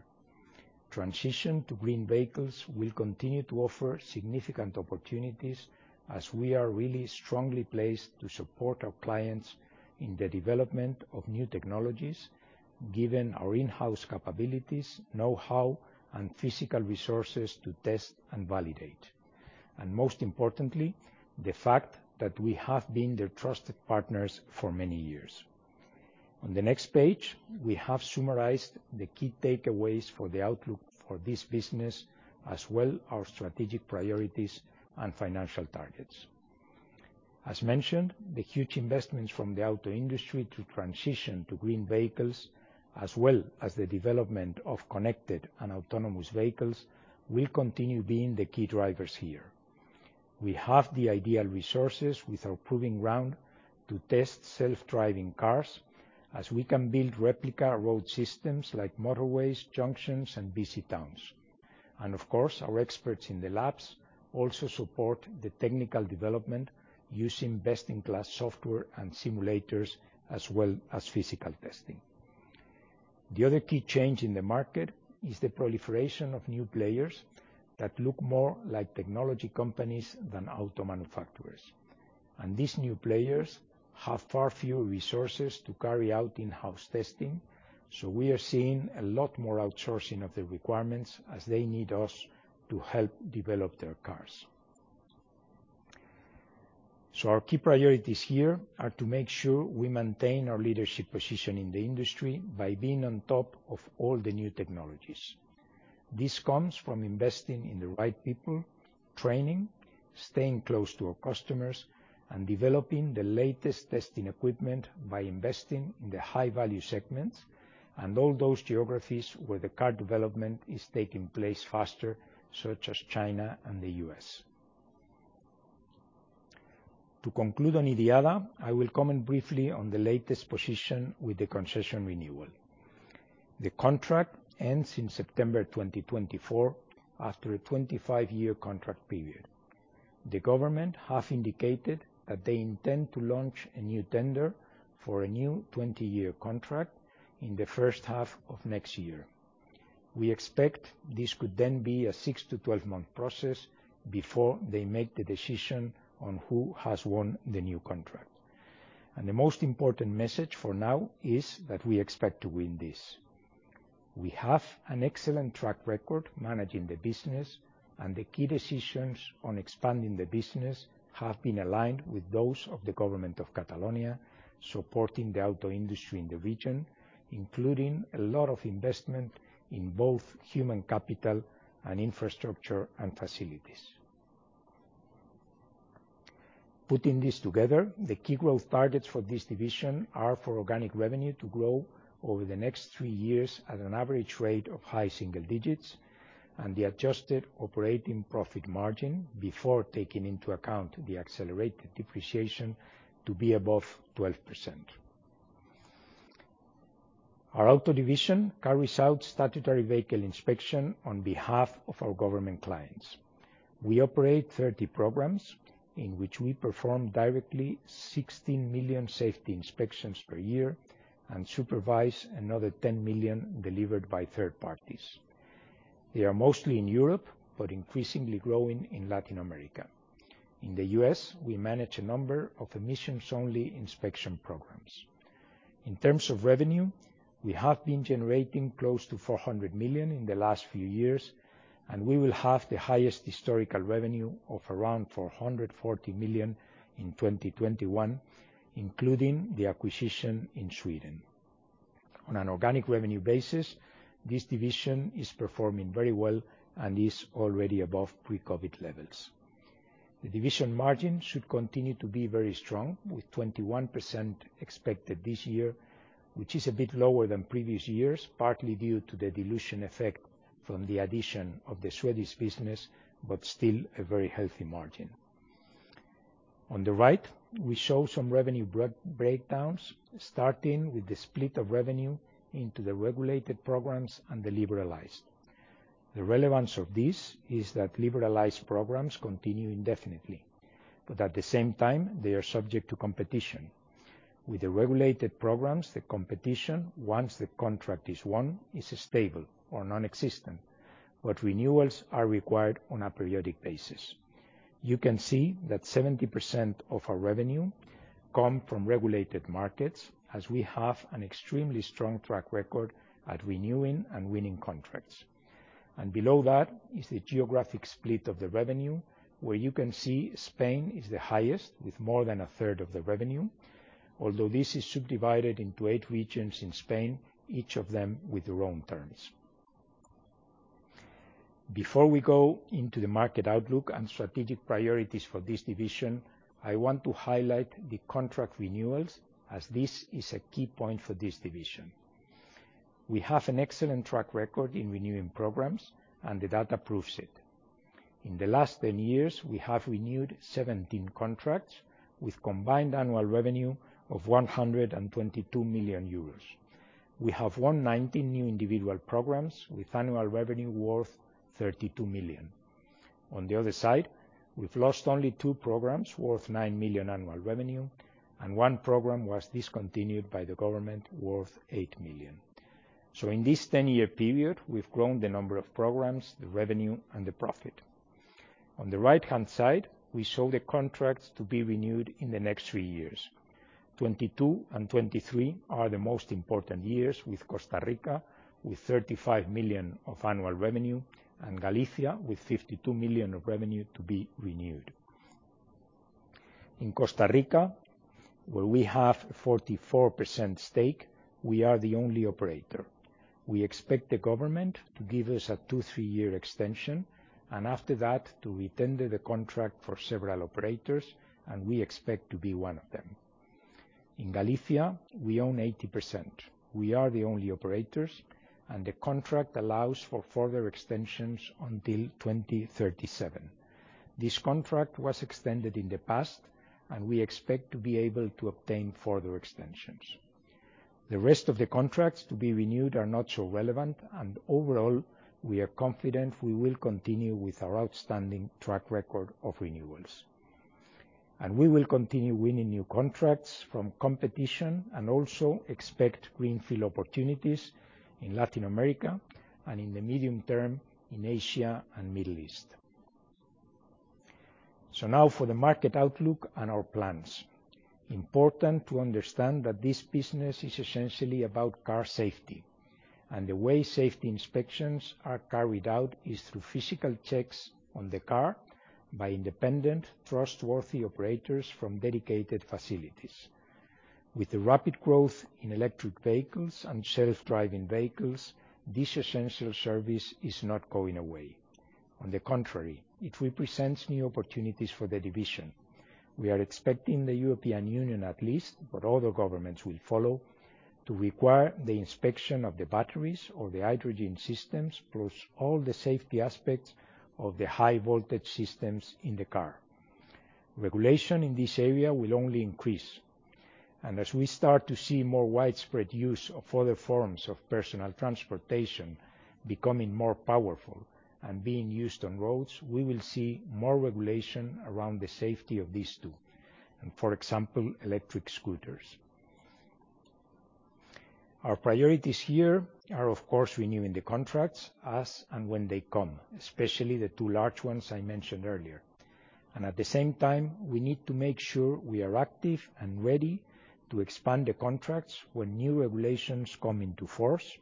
Transition to green vehicles will continue to offer significant opportunities as we are really strongly placed to support our clients in the development of new technologies, given our in-house capabilities, know-how, and physical resources to test and validate. Most importantly, the fact that we have been their trusted partners for many years. On the next page, we have summarized the key takeaways for the outlook for this business, as well as our strategic priorities and financial targets. As mentioned, the huge investments from the auto industry to transition to green vehicles, as well as the development of connected and autonomous vehicles, will continue being the key drivers here. We have the ideal resources with our proving ground to test self-driving cars as we can build replica road systems like motorways, junctions, and busy towns. Of course, our experts in the labs also support the technical development using best-in-class software and simulators, as well as physical testing. The other key change in the market is the proliferation of new players that look more like technology companies than auto manufacturers. These new players have far fewer resources to carry out in-house testing, so we are seeing a lot more outsourcing of the requirements as they need us to help develop their cars. Our key priorities here are to make sure we maintain our leadership position in the industry by being on top of all the new technologies. This comes from investing in the right people, training, staying close to our customers, and developing the latest testing equipment by investing in the high value segments and all those geographies where the car development is taking place faster, such as China and the U.S. To conclude on IDIADA, I will comment briefly on the latest position with the concession renewal. The contract ends in September 2024 after a 25-year contract period. The government have indicated that they intend to launch a new tender for a new 20-year contract in the first half of next year. We expect this could then be a 6- to 12-month process before they make the decision on who has won the new contract. The most important message for now is that we expect to win this. We have an excellent track record managing the business, and the key decisions on expanding the business have been aligned with those of the government of Catalonia, supporting the auto industry in the region, including a lot of investment in both human capital and infrastructure and facilities. Putting this together, the key growth targets for this division are for organic revenue to grow over the next three years at an average rate of high single digits% and the adjusted operating profit margin before taking into account the accelerated depreciation to be above 12%. Our auto division carries out statutory vehicle inspection on behalf of our government clients. We operate 30 programs in which we perform directly 16 million safety inspections per year and supervise another 10 million delivered by third parties. They are mostly in Europe, but increasingly growing in Latin America. In the U.S., we manage a number of emissions-only inspection programs. In terms of revenue, we have been generating close to 400 million in the last few years, and we will have the highest historical revenue of around 440 million in 2021, including the acquisition in Sweden. On an organic revenue basis, this division is performing very well and is already above pre-COVID levels. The division margin should continue to be very strong, with 21% expected this year, which is a bit lower than previous years, partly due to the dilution effect from the addition of the Swedish business, but still a very healthy margin. On the right, we show some revenue breakdowns, starting with the split of revenue into the regulated programs and the liberalized. The relevance of this is that liberalized programs continue indefinitely, but at the same time, they are subject to competition. With the regulated programs, the competition, once the contract is won, is stable or nonexistent, but renewals are required on a periodic basis. You can see that 70% of our revenue come from regulated markets, as we have an extremely strong track record at renewing and winning contracts. Below that is the geographic split of the revenue, where you can see Spain is the highest with more than a third of the revenue, although this is subdivided into 8 regions in Spain, each of them with their own terms. Before we go into the market outlook and strategic priorities for this division, I want to highlight the contract renewals as this is a key point for this division. We have an excellent track record in renewing programs, and the data proves it. In the last 10 years, we have renewed 17 contracts with combined annual revenue of 122 million euros. We have won 19 new individual programs with annual revenue worth 32 million. On the other side, we've lost only 2 programs worth 9 million annual revenue, and 1 program was discontinued by the government worth 8 million. In this 10-year period, we've grown the number of programs, the revenue, and the profit. On the right-hand side, we show the contracts to be renewed in the next 3 years. 2022 and 2023 are the most important years, with Costa Rica with 35 million of annual revenue, and Galicia with 52 million of revenue to be renewed. In Costa Rica, where we have 44% stake, we are the only operator. We expect the government to give us a 2-3-year extension, and after that, to retender the contract for several operators, and we expect to be one of them. In Galicia, we own 80%. We are the only operators, and the contract allows for further extensions until 2037. This contract was extended in the past, and we expect to be able to obtain further extensions. The rest of the contracts to be renewed are not so relevant. Overall, we are confident we will continue with our outstanding track record of renewals. We will continue winning new contracts from competition and also expect greenfield opportunities in Latin America and in the medium term in Asia and Middle East. Now for the market outlook and our plans. Important to understand that this business is essentially about car safety. The way safety inspections are carried out is through physical checks on the car by independent, trustworthy operators from dedicated facilities. With the rapid growth in electric vehicles and self-driving vehicles, this essential service is not going away. On the contrary, it represents new opportunities for the division. We are expecting the European Union at least, but other governments will follow, to require the inspection of the batteries or the hydrogen systems, plus all the safety aspects of the high voltage systems in the car. Regulation in this area will only increase. As we start to see more widespread use of other forms of personal transportation becoming more powerful and being used on roads, we will see more regulation around the safety of these two and for example, electric scooters. Our priorities here are, of course, renewing the contracts as and when they come, especially the two large ones I mentioned earlier. At the same time, we need to make sure we are active and ready to expand the contracts when new regulations come into force,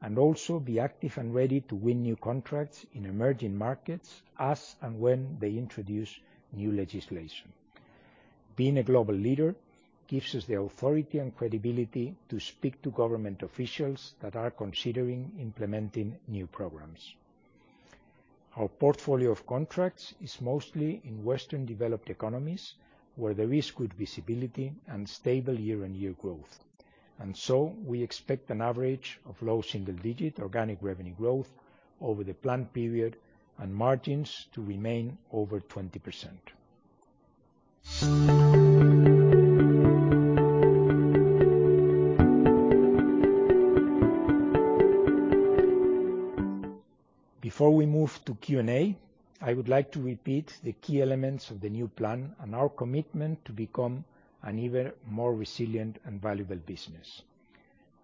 and also be active and ready to win new contracts in emerging markets as and when they introduce new legislation. Being a global leader gives us the authority and credibility to speak to government officials that are considering implementing new programs. Our portfolio of contracts is mostly in Western developed economies, where there is good visibility and stable year-on-year growth. We expect an average of low single digit organic revenue growth over the planned period and margins to remain over 20%. Before we move to Q&A, I would like to repeat the key elements of the new plan and our commitment to become an even more resilient and valuable business.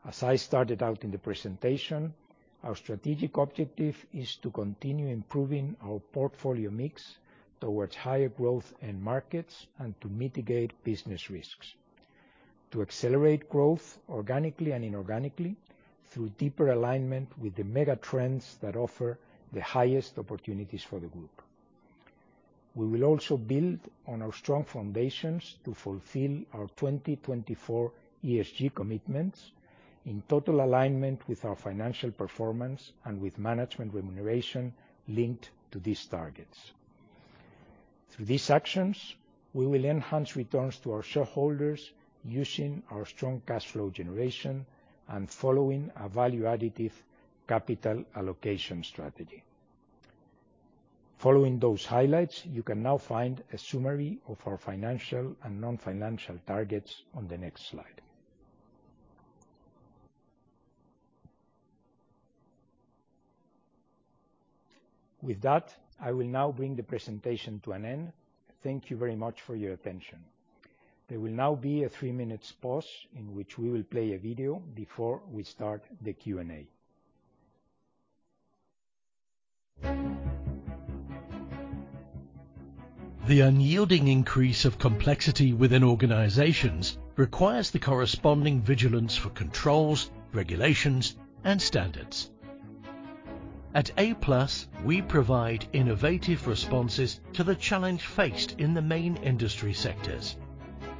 As I started out in the presentation, our strategic objective is to continue improving our portfolio mix towards higher growth end markets and to mitigate business risks, to accelerate growth organically and inorganically through deeper alignment with the mega trends that offer the highest opportunities for the group. We will also build on our strong foundations to fulfill our 2024 ESG commitments in total alignment with our financial performance and with management remuneration linked to these targets. Through these actions, we will enhance returns to our shareholders using our strong cash flow generation and following a value additive capital allocation strategy. Following those highlights, you can now find a summary of our financial and non-financial targets on the next slide. With that, I will now bring the presentation to an end. Thank you very much for your attention. There will now be a 3-minute pause in which we will play a video before we start the Q&A. The unyielding increase of complexity within organizations requires the corresponding vigilance for controls, regulations, and standards. At Applus+, we provide innovative responses to the challenge faced in the main industry sectors.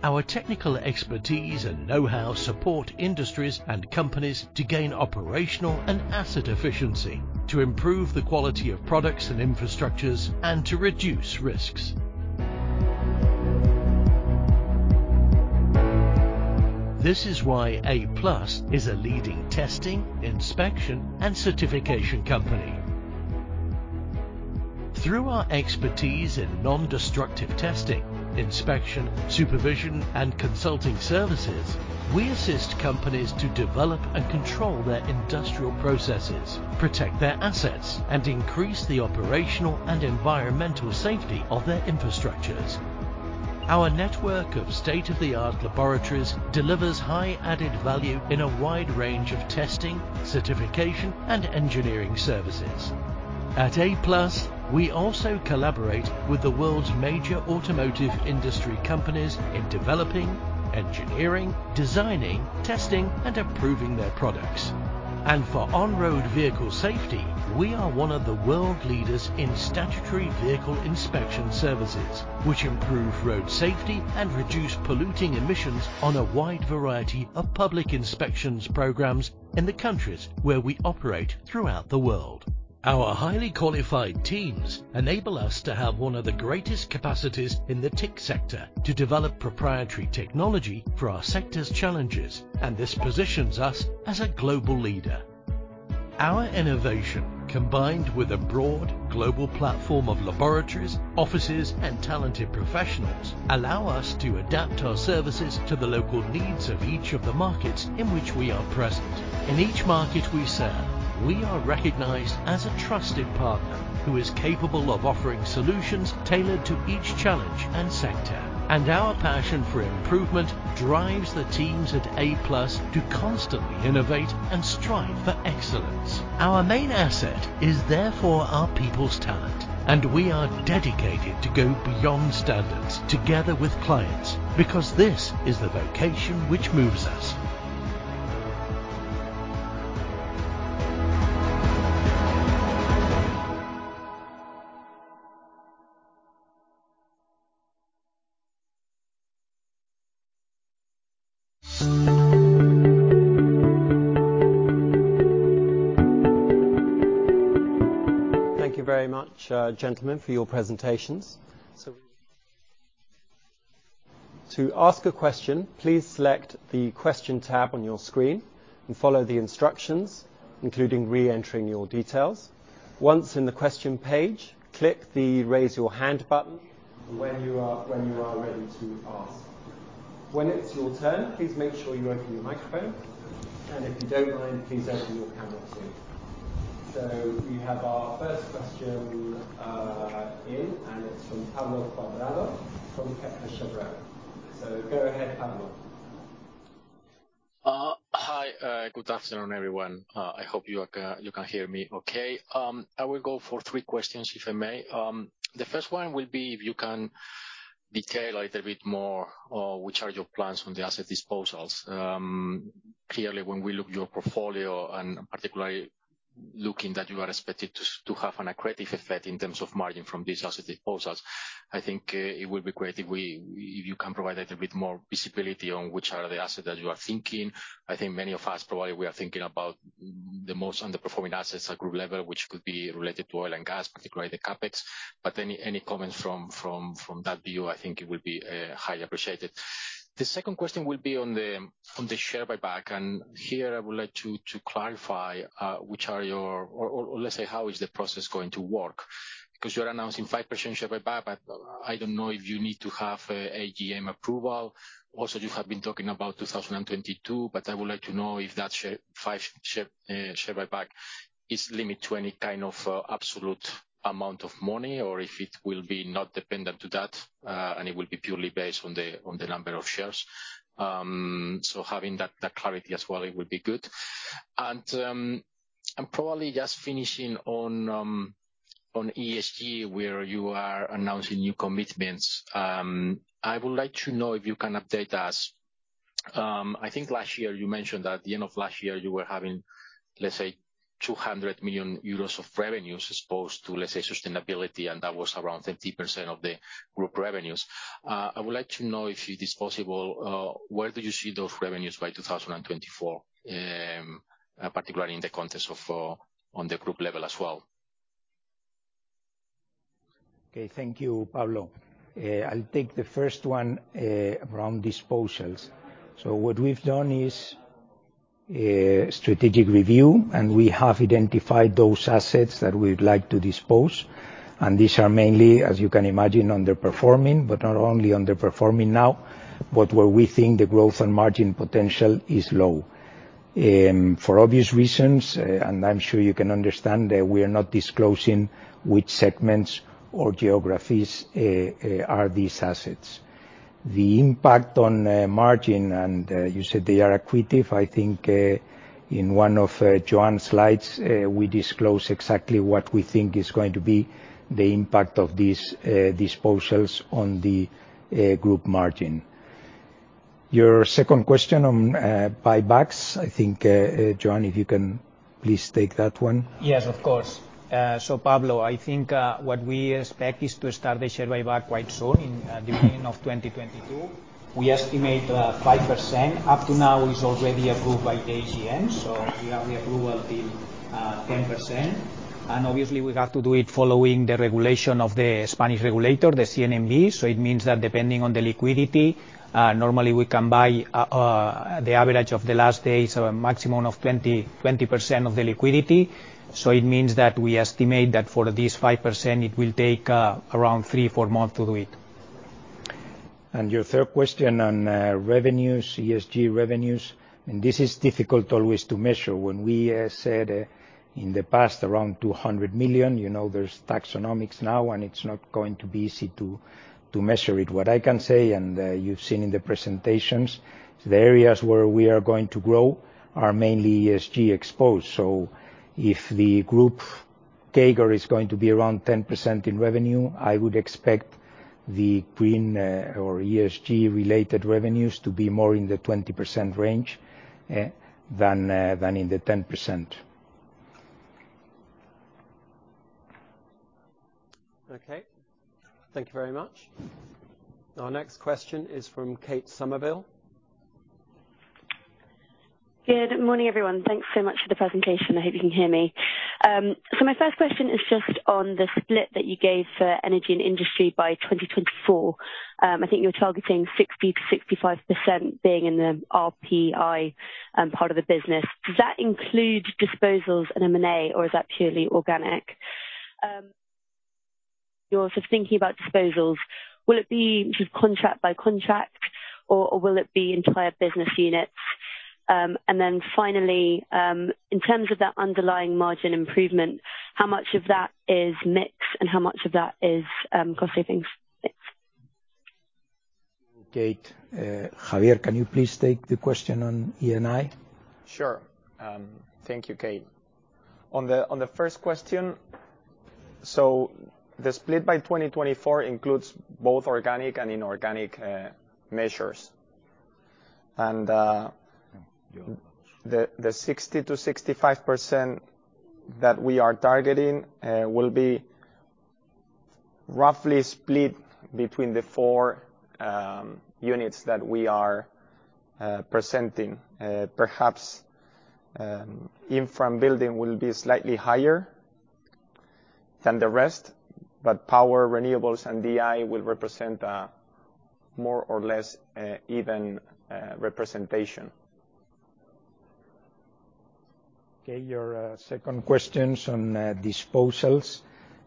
Our technical expertise and know-how support industries and companies to gain operational and asset efficiency, to improve the quality of products and infrastructures, and to reduce risks. This is why Applus+ is a leading testing, inspection, and certification company. Through our expertise in nondestructive testing, inspection, supervision, and consulting services, we assist companies to develop and control their industrial processes, protect their assets, and increase the operational and environmental safety of their infrastructures. Our network of state-of-the-art laboratories delivers high added value in a wide range of testing, certification, and engineering services. At Applus+, we also collaborate with the world's major automotive industry companies in developing, engineering, designing, testing, and approving their products. For on-road vehicle safety, we are one of the world leaders in statutory vehicle inspection services, which improve road safety and reduce polluting emissions on a wide variety of public inspections programs in the countries where we operate throughout the world. Our highly qualified teams enable us to have one of the greatest capacities in the TIC sector to develop proprietary technology for our sector's challenges, and this positions us as a global leader. Our innovation, combined with a broad global platform of laboratories, offices, and talented professionals, allow us to adapt our services to the local needs of each of the markets in which we are present. In each market we serve, we are recognized as a trusted partner who is capable of offering solutions tailored to each challenge and sector. Our passion for improvement drives the teams at Applus+ to constantly innovate and strive for excellence. Our main asset is therefore our people's talent, and we are dedicated to go beyond standards together with clients, because this is the vocation which moves us. Thank you very much, gentlemen, for your presentations. To ask a question, please select the question tab on your screen and follow the instructions, including re-entering your details. Once in the question page, click the raise your hand button when you are ready to ask. When it's your turn, please make sure you open your microphone, and if you don't mind, please open your camera too. We have our first question, and it's from Pablo Cuadrado from Kepler Cheuvreux. Go ahead, Pablo. Hi. Good afternoon, everyone. I hope you can hear me okay. I will go for three questions, if I may. The first one will be if you can detail a little bit more, which are your plans on the asset disposals. Clearly, when we look at your portfolio, and particularly looking at that you are expected to have an accretive effect in terms of margin from these asset disposals, I think it would be great if you can provide a little bit more visibility on which are the assets that you are thinking. I think many of us, probably we are thinking about the most underperforming assets at group level, which could be related to oil and gas, particularly the CapEx. Any comments from that view, I think it would be highly appreciated. The second question will be on the share buyback, and here I would like to clarify, or let's say, how is the process going to work? Because you're announcing 5% share buyback, but I don't know if you need to have AGM approval. Also, you have been talking about 2022, but I would like to know if that 5% share buyback is limited to any kind of absolute amount of money or if it will be not dependent on that, and it will be purely based on the number of shares. So having that clarity as well, it would be good. Probably just finishing on ESG, where you are announcing new commitments. I would like to know if you can update us. I think last year you mentioned at the end of last year you were having, let's say, 200 million euros of revenues exposed to, let's say, sustainability, and that was around 50% of the group revenues. I would like to know if it is possible, where do you see those revenues by 2024, particularly in the context of, on the group level as well? Okay. Thank you, Pablo. I'll take the first one around disposals. What we've done is a strategic review, and we have identified those assets that we'd like to dispose. These are mainly, as you can imagine, underperforming, but not only underperforming now, but where we think the growth and margin potential is low. For obvious reasons, and I'm sure you can understand, we are not disclosing which segments or geographies are these assets. The impact on margin, and you said they are accretive. I think in one of Joan's slides, we disclose exactly what we think is going to be the impact of these disposals on the group margin. Your second question on buybacks, I think Joan, if you can please take that one. Yes, of course. Pablo, I think what we expect is to start the share buyback quite soon in the beginning of 2022. We estimate 5%. Up to now is already approved by the AGM, so we have the approval till 10%. Obviously we have to do it following the regulation of the Spanish regulator, the CNMV. It means that depending on the liquidity, normally we can buy the average of the last day, so a maximum of 20% of the liquidity. It means that we estimate that for this 5% it will take around 3-4 months to do it. Your third question on revenues, ESG revenues, and this is difficult always to measure. When we said in the past around 200 million, you know there's taxonomies now, and it's not going to be easy to measure it. What I can say, and you've seen in the presentations, the areas where we are going to grow are mainly ESG exposed. If the group CAGR is going to be around 10% in revenue, I would expect the green or ESG related revenues to be more in the 20% range than in the 10%. Okay. Thank you very much. Our next question is from Kate Somerville. Good morning, everyone. Thanks so much for the presentation. I hope you can hear me. My first question is just on the split that you gave for Energy & Industry by 2024. I think you're targeting 60%-65% being in the RPI part of the business. Does that include disposals and M&A, or is that purely organic? You're also thinking about disposals. Will it be just contract by contract, or will it be entire business units? Finally, in terms of that underlying margin improvement, how much of that is mix, and how much of that is cost savings? Kate, Javier, can you please take the question on E&I? Sure. Thank you, Kate. On the first question, the split by 2024 includes both organic and inorganic measures. The 60%-65% that we are targeting will be roughly split between the four units that we are presenting. Perhaps, infra building will be slightly higher than the rest, but power renewables and DI will represent more or less even representation. Kate, your second question on disposals.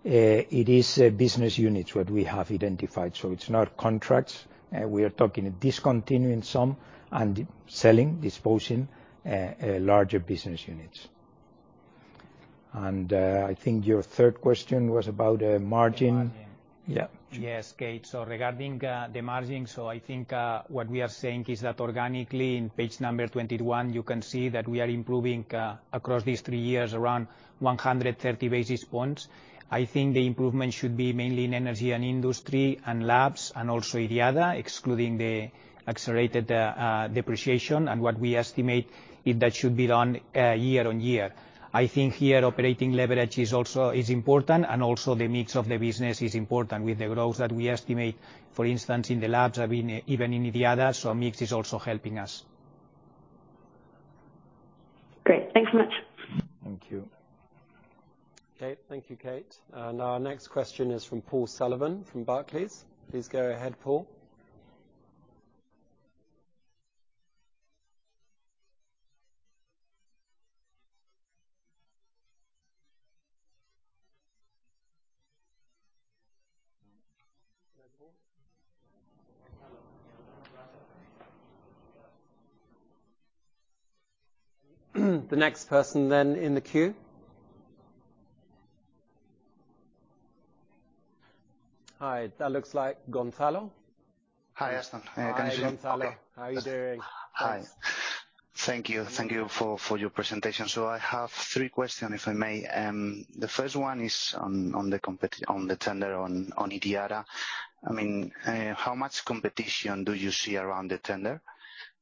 It is business units what we have identified, so it's not contracts. We are talking discontinuing some and selling, disposing larger business units. I think your third question was about margin. Margin. Yeah. Yes, Kate. Regarding the margin, I think what we are saying is that organically, on page 21, you can see that we are improving across these three years, around 130 basis points. I think the improvement should be mainly in Energy & Industry and Laboratories and also IDIADA, excluding the accelerated depreciation and what we estimate if that should be done year on year. I think here operating leverage is also important, and also the mix of the business is important with the growth that we estimate, for instance, in the Laboratories or even in IDIADA. Mix is also helping us. Great. Thanks so much. Thank you. Kate. Thank you, Kate. Our next question is from Paul Sullivan from Barclays. Please go ahead, Paul. The next person then in the queue. All right. That looks like Gonzalo. Hi, Aston. Hi, Gonzalo. How are you doing? Hi. Thank you for your presentation. I have three questions, if I may. The first one is on the tender on IDIADA. I mean, how much competition do you see around the tender?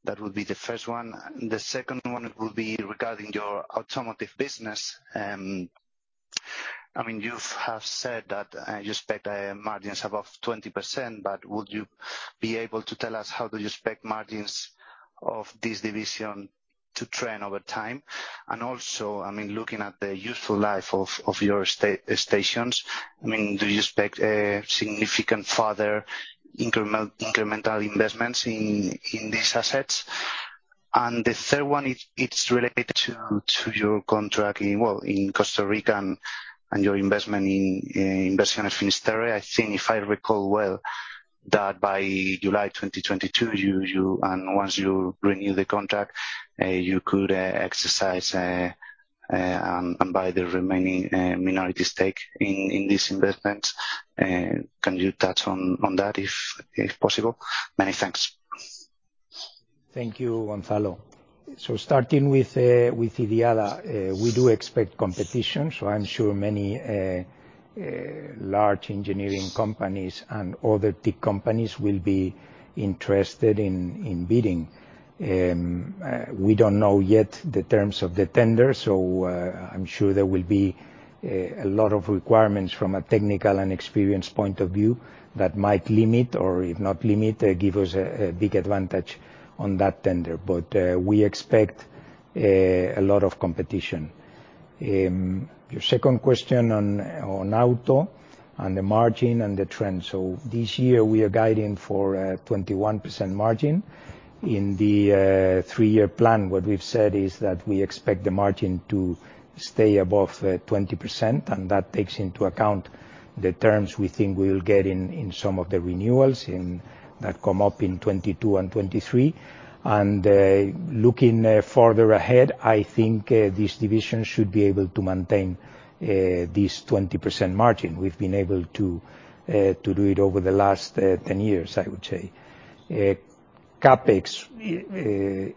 That would be the first one. The second one would be regarding your automotive business. I mean, you have said that you expect margins above 20%, but would you be able to tell us how do you expect margins of this division to trend over time? Also, I mean, looking at the useful life of your stations, I mean, do you expect a significant further incremental investments in these assets? The third one is related to your contract in Costa Rica and your investment in Inversiones Finisterre. I think if I recall well, that by July 2022, you and once you renew the contract, you could and buy the remaining minority stake in this investment. Can you touch on that if possible? Many thanks. Thank you, Gonzalo. Starting with IDIADA, we do expect competition, so I'm sure many large engineering companies and other tech companies will be interested in bidding. We don't know yet the terms of the tender, so I'm sure there will be a lot of requirements from a technical and experience point of view that might limit or if not limit, give us a big advantage on that tender. We expect a lot of competition. Your second question on auto and the margin and the trend. This year we are guiding for 21% margin. In the three-year plan, what we've said is that we expect the margin to stay above 20%, and that takes into account the terms we think we will get in some of the renewals that come up in 2022 and 2023. Looking farther ahead, I think this division should be able to maintain this 20% margin. We've been able to do it over the last 10 years, I would say. CapEx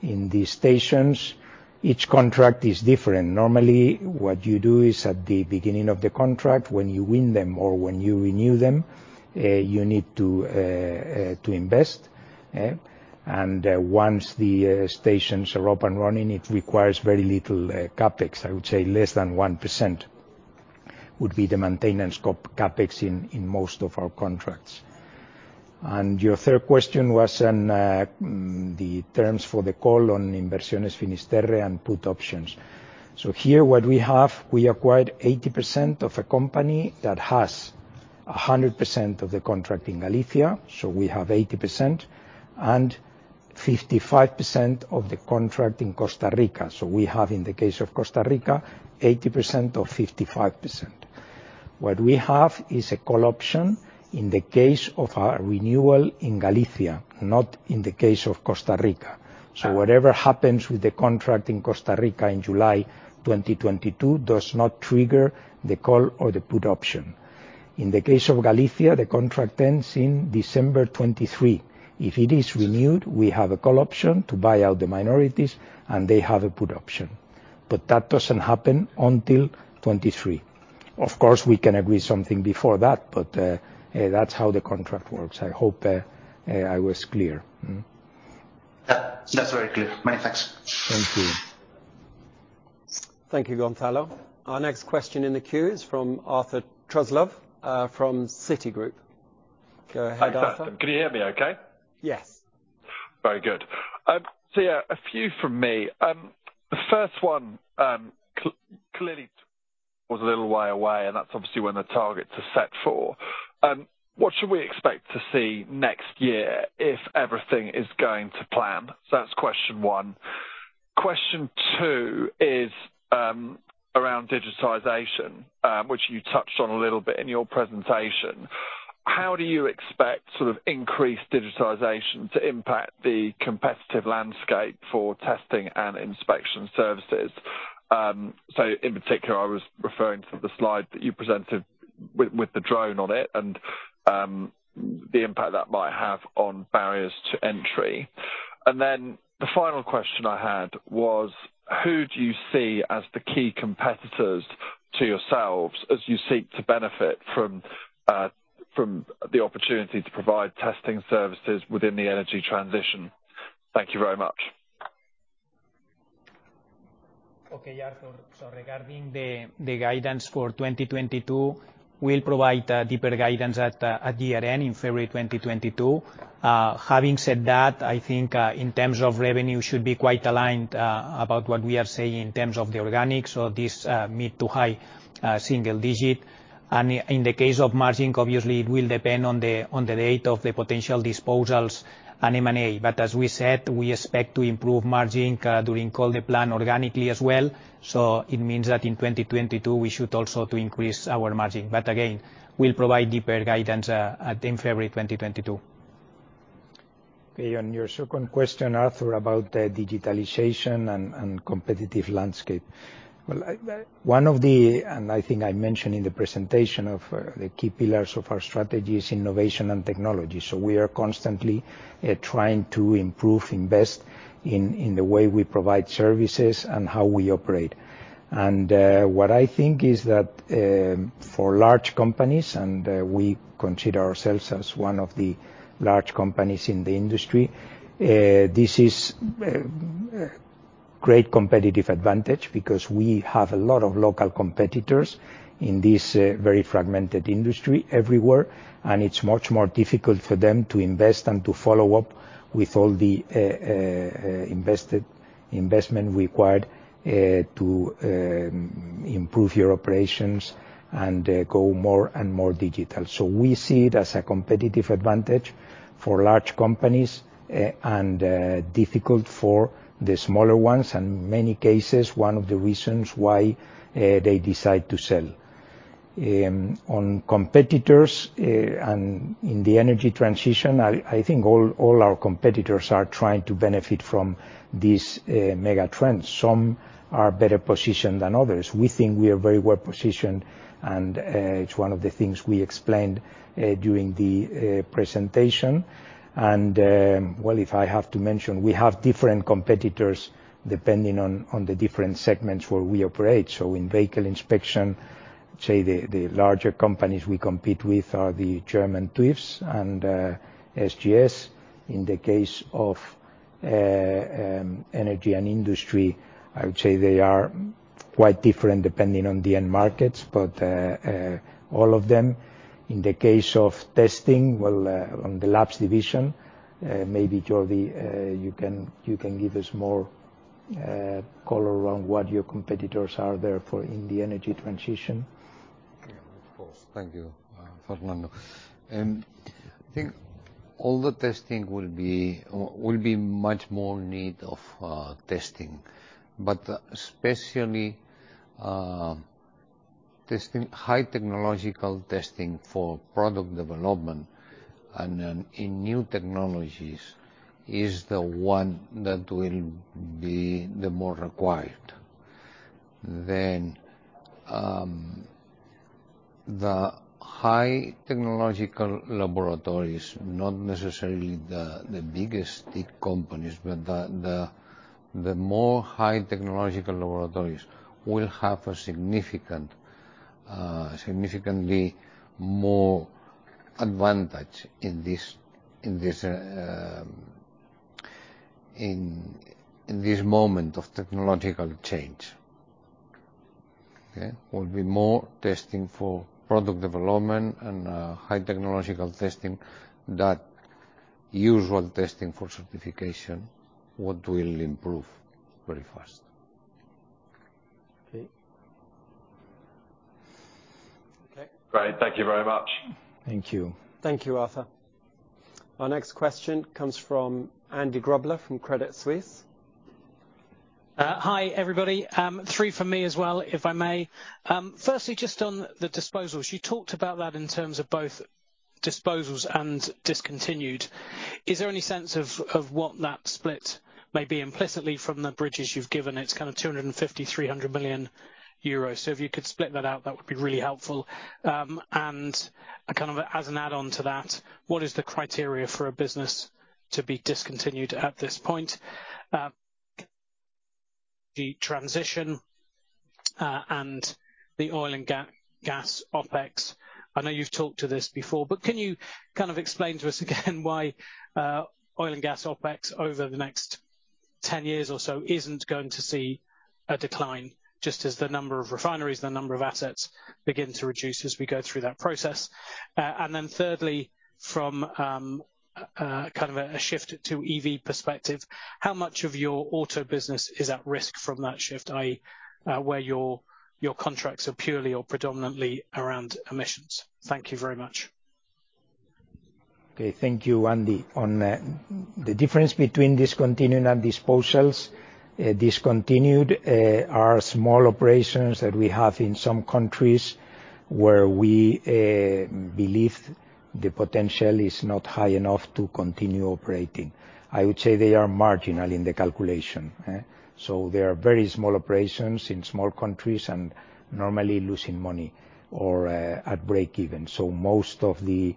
in these stations, each contract is different. Normally, what you do is at the beginning of the contract, when you win them or when you renew them, you need to invest. Once the stations are up and running, it requires very little CapEx. I would say less than 1% would be the maintenance CapEx in most of our contracts. Your third question was on the terms for the call on Inversiones Finisterre and put options. Here what we have, we acquired 80% of a company that has 100% of the contract in Galicia, so we have 80% and 55% of the contract in Costa Rica. We have, in the case of Costa Rica, 80% or 55%. What we have is a call option in the case of a renewal in Galicia, not in the case of Costa Rica. Whatever happens with the contract in Costa Rica in July 2022 does not trigger the call or the put option. In the case of Galicia, the contract ends in December 2023. If it is renewed, we have a call option to buy out the minorities, and they have a put option. That doesn't happen until 2023. Of course, we can agree something before that, but that's how the contract works. I hope I was clear. Yeah. That's very clear. Many thanks. Thank you. Thank you, Gonzalo. Our next question in the queue is from Arthur Truslove from Citigroup. Go ahead, Arthur. Hi. Can you hear me okay? Yes. Very good. Yeah, a few from me. The first one clearly was a little way away, and that's obviously when the targets are set for. What should we expect to see next year if everything is going to plan? That's question one. Question two is around digitization, which you touched on a little bit in your presentation. How do you expect sort of increased digitization to impact the competitive landscape for testing and inspection services? In particular, I was referring to the slide that you presented with the drone on it and the impact that might have on barriers to entry. The final question I had was, who do you see as the key competitors to yourselves as you seek to benefit from the opportunity to provide testing services within the energy transition? Thank you very much. Okay, Arthur. Regarding the guidance for 2022, we'll provide deeper guidance at year-end in February 2022. Having said that, I think in terms of revenue should be quite aligned about what we are saying in terms of the organics or this mid- to high-single-digit%. In the case of margin, obviously it will depend on the date of the potential disposals and M&A. As we said, we expect to improve margin during the plan organically as well. It means that in 2022 we should also to increase our margin. Again, we'll provide deeper guidance in February 2022. Okay. On your second question, Arthur, about the digitalization and competitive landscape. Well, I think I mentioned in the presentation of the key pillars of our strategy is innovation and technology. We are constantly trying to improve, invest in the way we provide services and how we operate. What I think is that for large companies, we consider ourselves as one of the large companies in the industry, this is great competitive advantage because we have a lot of local competitors in this very fragmented industry everywhere, and it's much more difficult for them to invest and to follow up with all the investment required to improve your operations and go more and more digital. We see it as a competitive advantage for large companies, and difficult for the smaller ones, and in many cases, one of the reasons why they decide to sell. On competitors, and in the energy transition, I think all our competitors are trying to benefit from these mega trends. Some are better positioned than others. We think we are very well positioned, and it's one of the things we explained during the presentation. If I have to mention, we have different competitors depending on the different segments where we operate. In vehicle inspection, say, the larger companies we compete with are the German TÜVs and SGS. In the case of energy and industry, I would say they are quite different depending on the end markets, but all of them. In the case of testing, well, on the labs division, maybe Jordi, you can give us more color around what your competitors are there for in the energy transition. Yeah, of course. Thank you, Fernando. I think all the testing will be much more needed testing. Especially testing, high technological testing for product development and then in new technologies is the one that will be the most required. The high technological laboratories, not necessarily the biggest companies, but the more high technological laboratories will have a significantly more advantage in this moment of technological change. Okay. There will be more testing for product development and high technological testing than usual testing for certification, which will improve very fast. Okay. Great. Thank you very much. Thank you. Thank you, Arthur. Our next question comes from Andrew Grobler from Credit Suisse. Hi, everybody. Three for me as well, if I may. Firstly, just on the disposals. You talked about that in terms of both disposals and discontinued. Is there any sense of what that split may be implicitly from the bridges you've given? It's kind of 250 million-300 million euros. So if you could split that out, that would be really helpful. And kind of as an add-on to that, what is the criteria for a business to be discontinued at this point? The transition and the oil and gas OpEx. I know you've talked to this before, but can you kind of explain to us again why oil and gas OpEx over the next 10 years or so isn't going to see a decline, just as the number of refineries, the number of assets begin to reduce as we go through that process? And then thirdly, from kind of a shift to EV perspective, how much of your auto business is at risk from that shift? I, where your contracts are purely or predominantly around emissions. Thank you very much. Okay. Thank you, Andy. On the difference between discontinuing and disposals, discontinued are small operations that we have in some countries where we believe the potential is not high enough to continue operating. I would say they are marginal in the calculation. They are very small operations in small countries and normally losing money or at break even. Most of the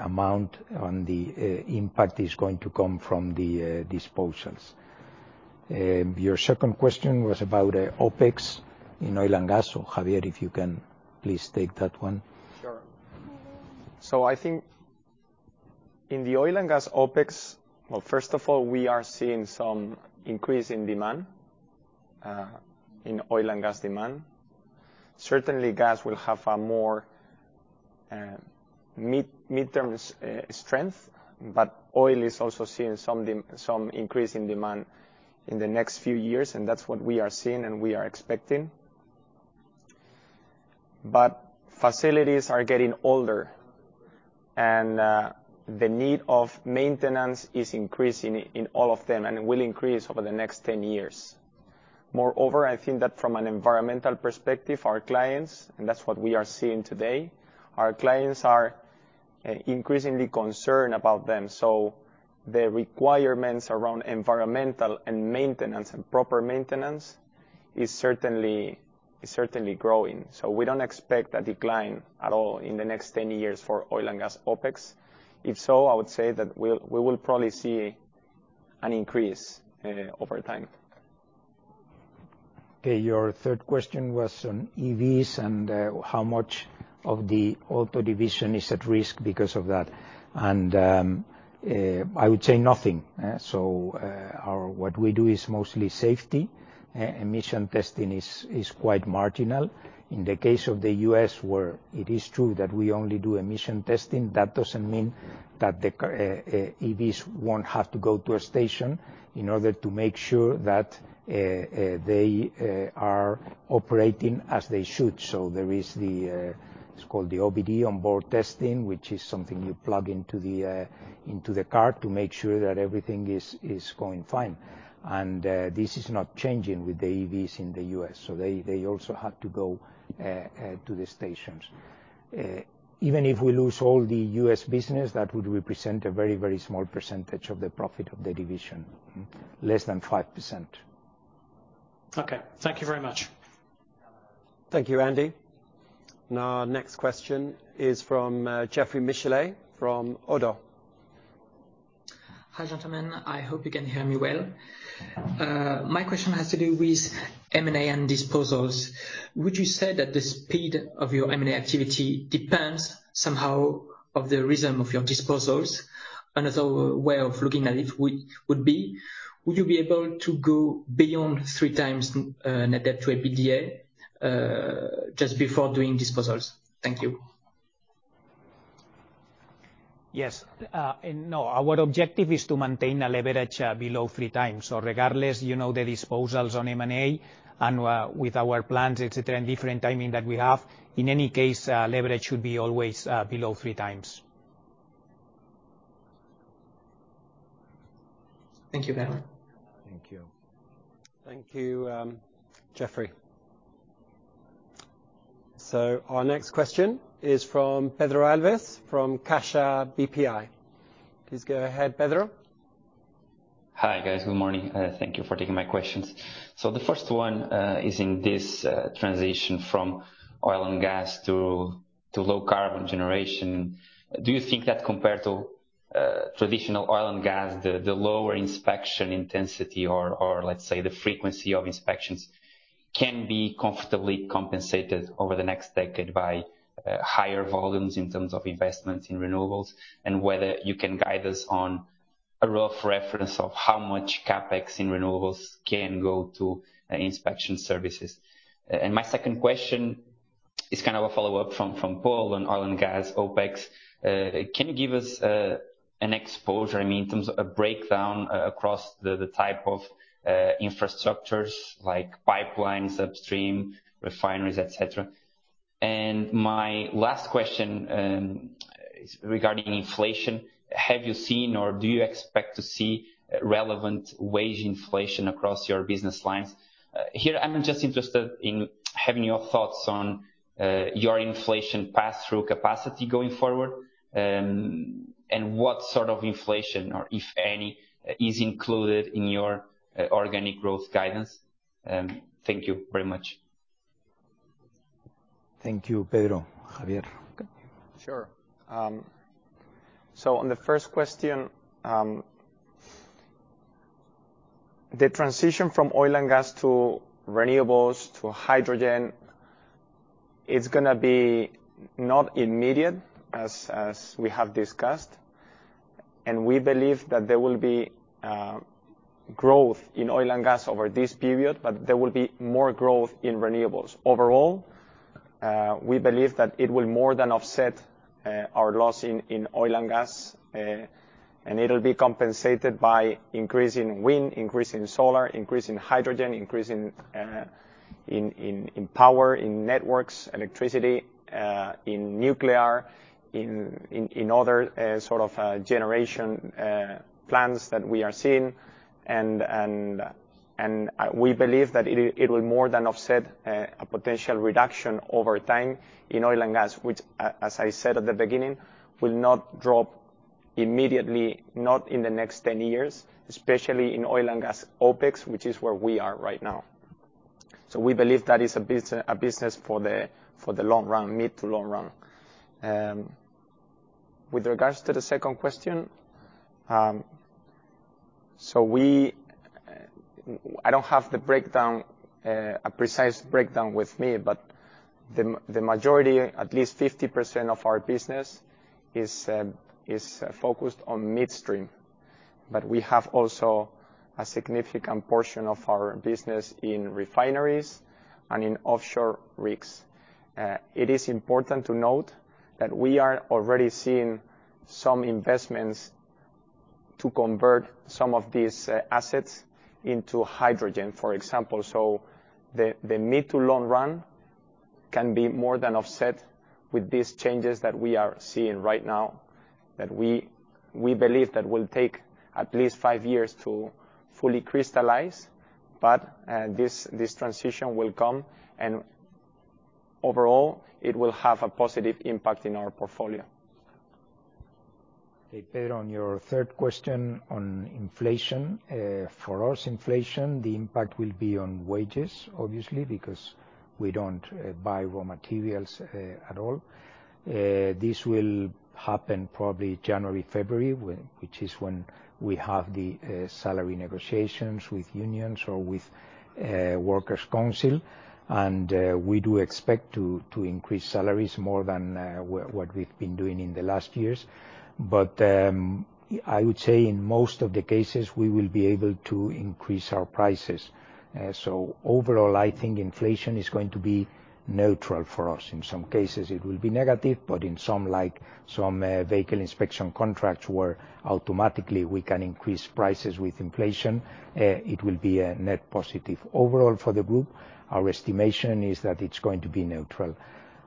amount on the impact is going to come from the disposals. Your second question was about OpEx in oil and gas. Javier, if you can please take that one. Sure. I think in the oil and gas OpEx, well, first of all, we are seeing some increase in demand in oil and gas demand. Certainly, gas will have a more mid-term strength, but oil is also seeing some increase in demand in the next few years, and that's what we are seeing and we are expecting. Facilities are getting older, and the need of maintenance is increasing in all of them and will increase over the next 10 years. Moreover, I think that from an environmental perspective, our clients, and that's what we are seeing today, our clients are increasingly concerned about them. The requirements around environmental and maintenance and proper maintenance is certainly growing. We don't expect a decline at all in the next 10 years for oil and gas OpEx. If so, I would say that we will probably see an increase over time. Okay. Your third question was on EVs and how much of the auto division is at risk because of that. I would say nothing. What we do is mostly safety. Emission testing is quite marginal. In the case of the U.S., where it is true that we only do emission testing, that doesn't mean that the car EVs won't have to go to a station in order to make sure that they are operating as they should. It's called the OBD, on-board testing, which is something you plug into the car to make sure that everything is going fine. This is not changing with the EVs in the U.S., so they also have to go to the stations. Even if we lose all the U.S. business, that would represent a very, very small percentage of the profit of the division. Less than 5%. Okay. Thank you very much. Thank you, Andy. Now, next question is from Geoffroy Michalet from Oddo. Hi, gentlemen. I hope you can hear me well. My question has to do with M&A and disposals. Would you say that the speed of your M&A activity depends somehow on the rhythm of your disposals? Another way of looking at it would be, would you be able to go beyond 3x net debt to EBITDA just before doing disposals? Thank you. Yes. No, our objective is to maintain a leverage below three times. Regardless, you know, the disposals on M&A and with our plans, et cetera, and different timing that we have, in any case, leverage should be always below three times. Thank you very much. Thank you. Thank you, Geoffroy. Our next question is from Pedro Alves from Banco BPI. Please go ahead, Pedro. Hi, guys. Good morning. Thank you for taking my questions. The first one is in this transition from oil and gas to low carbon generation. Do you think that compared to traditional oil and gas, the lower inspection intensity or let's say the frequency of inspections can be comfortably compensated over the next decade by higher volumes in terms of investments in renewables? Whether you can guide us on a rough reference of how much CapEx in renewables can go to inspection services. My second question is kind of a follow-up from Paul on oil and gas OpEx. Can you give us an exposure, I mean, in terms of a breakdown across the type of infrastructures like pipelines, upstream refineries, et cetera? My last question, regarding inflation, have you seen or do you expect to see relevant wage inflation across your business lines? Here, I'm just interested in having your thoughts on your inflation pass-through capacity going forward. What sort of inflation, or if any, is included in your organic growth guidance. Thank you very much. Thank you, Pedro. Javier. Sure. On the first question, the transition from oil and gas to renewables to hydrogen is gonna be not immediate, as we have discussed, and we believe that there will be growth in oil and gas over this period, but there will be more growth in renewables. Overall, we believe that it will more than offset our loss in oil and gas, and it'll be compensated by increase in wind, increase in solar, increase in hydrogen, increase in power, in networks, electricity, in nuclear, in other sort of generation plans that we are seeing. We believe that it will more than offset a potential reduction over time in oil and gas, which as I said at the beginning, will not drop immediately, not in the next 10 years, especially in oil and gas OpEx, which is where we are right now. We believe that is a business for the long run, mid to long run. With regards to the second question, I don't have a precise breakdown with me, but the majority, at least 50% of our business is focused on midstream. We have also a significant portion of our business in refineries and in offshore rigs. It is important to note that we are already seeing some investments to convert some of these assets into hydrogen, for example. The mid to long run can be more than offset with these changes that we are seeing right now, that we believe that will take at least five years to fully crystallize, but this transition will come, and overall, it will have a positive impact in our portfolio. Hey, Pedro, on your third question on inflation. For us, inflation, the impact will be on wages, obviously, because we don't buy raw materials at all. This will happen probably January, February, which is when we have the salary negotiations with unions or with workers' council. We do expect to increase salaries more than what we've been doing in the last years. I would say in most of the cases, we will be able to increase our prices. Overall, I think inflation is going to be neutral for us. In some cases, it will be negative, but in some like some vehicle inspection contracts where automatically we can increase prices with inflation, it will be a net positive. Overall, for the group, our estimation is that it's going to be neutral.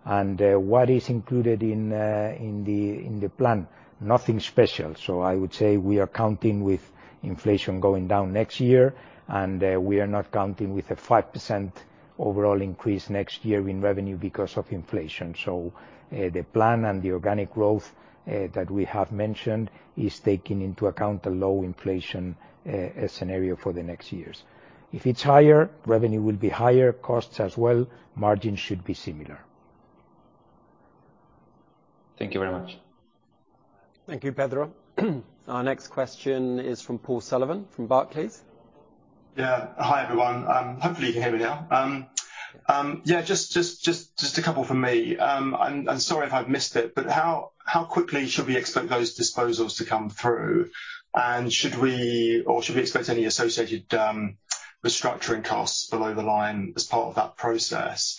What is included in the plan? Nothing special. I would say we are counting with inflation going down next year, and we are not counting with a 5% overall increase next year in revenue because of inflation. The plan and the organic growth that we have mentioned is taking into account a low inflation scenario for the next years. If it's higher, revenue will be higher, costs as well. Margins should be similar. Thank you very much. Thank you, Pedro. Our next question is from Paul Sullivan from Barclays. Yeah. Hi, everyone. Hopefully you can hear me now. Yeah, just a couple from me. Sorry if I've missed it, but how quickly should we expect those disposals to come through? Should we expect any associated restructuring costs below the line as part of that process?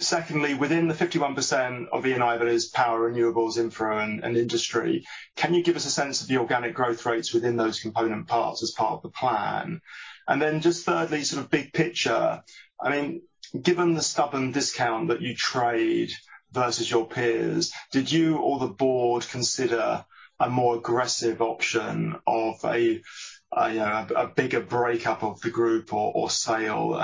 Secondly, within the 51% of E&I that is power, renewables, infra and industry, can you give us a sense of the organic growth rates within those component parts as part of the plan? Then just thirdly, sort of big picture, I mean, given the stubborn discount that you trade versus your peers, did you or the board consider a more aggressive option of a bigger breakup of the group or sale?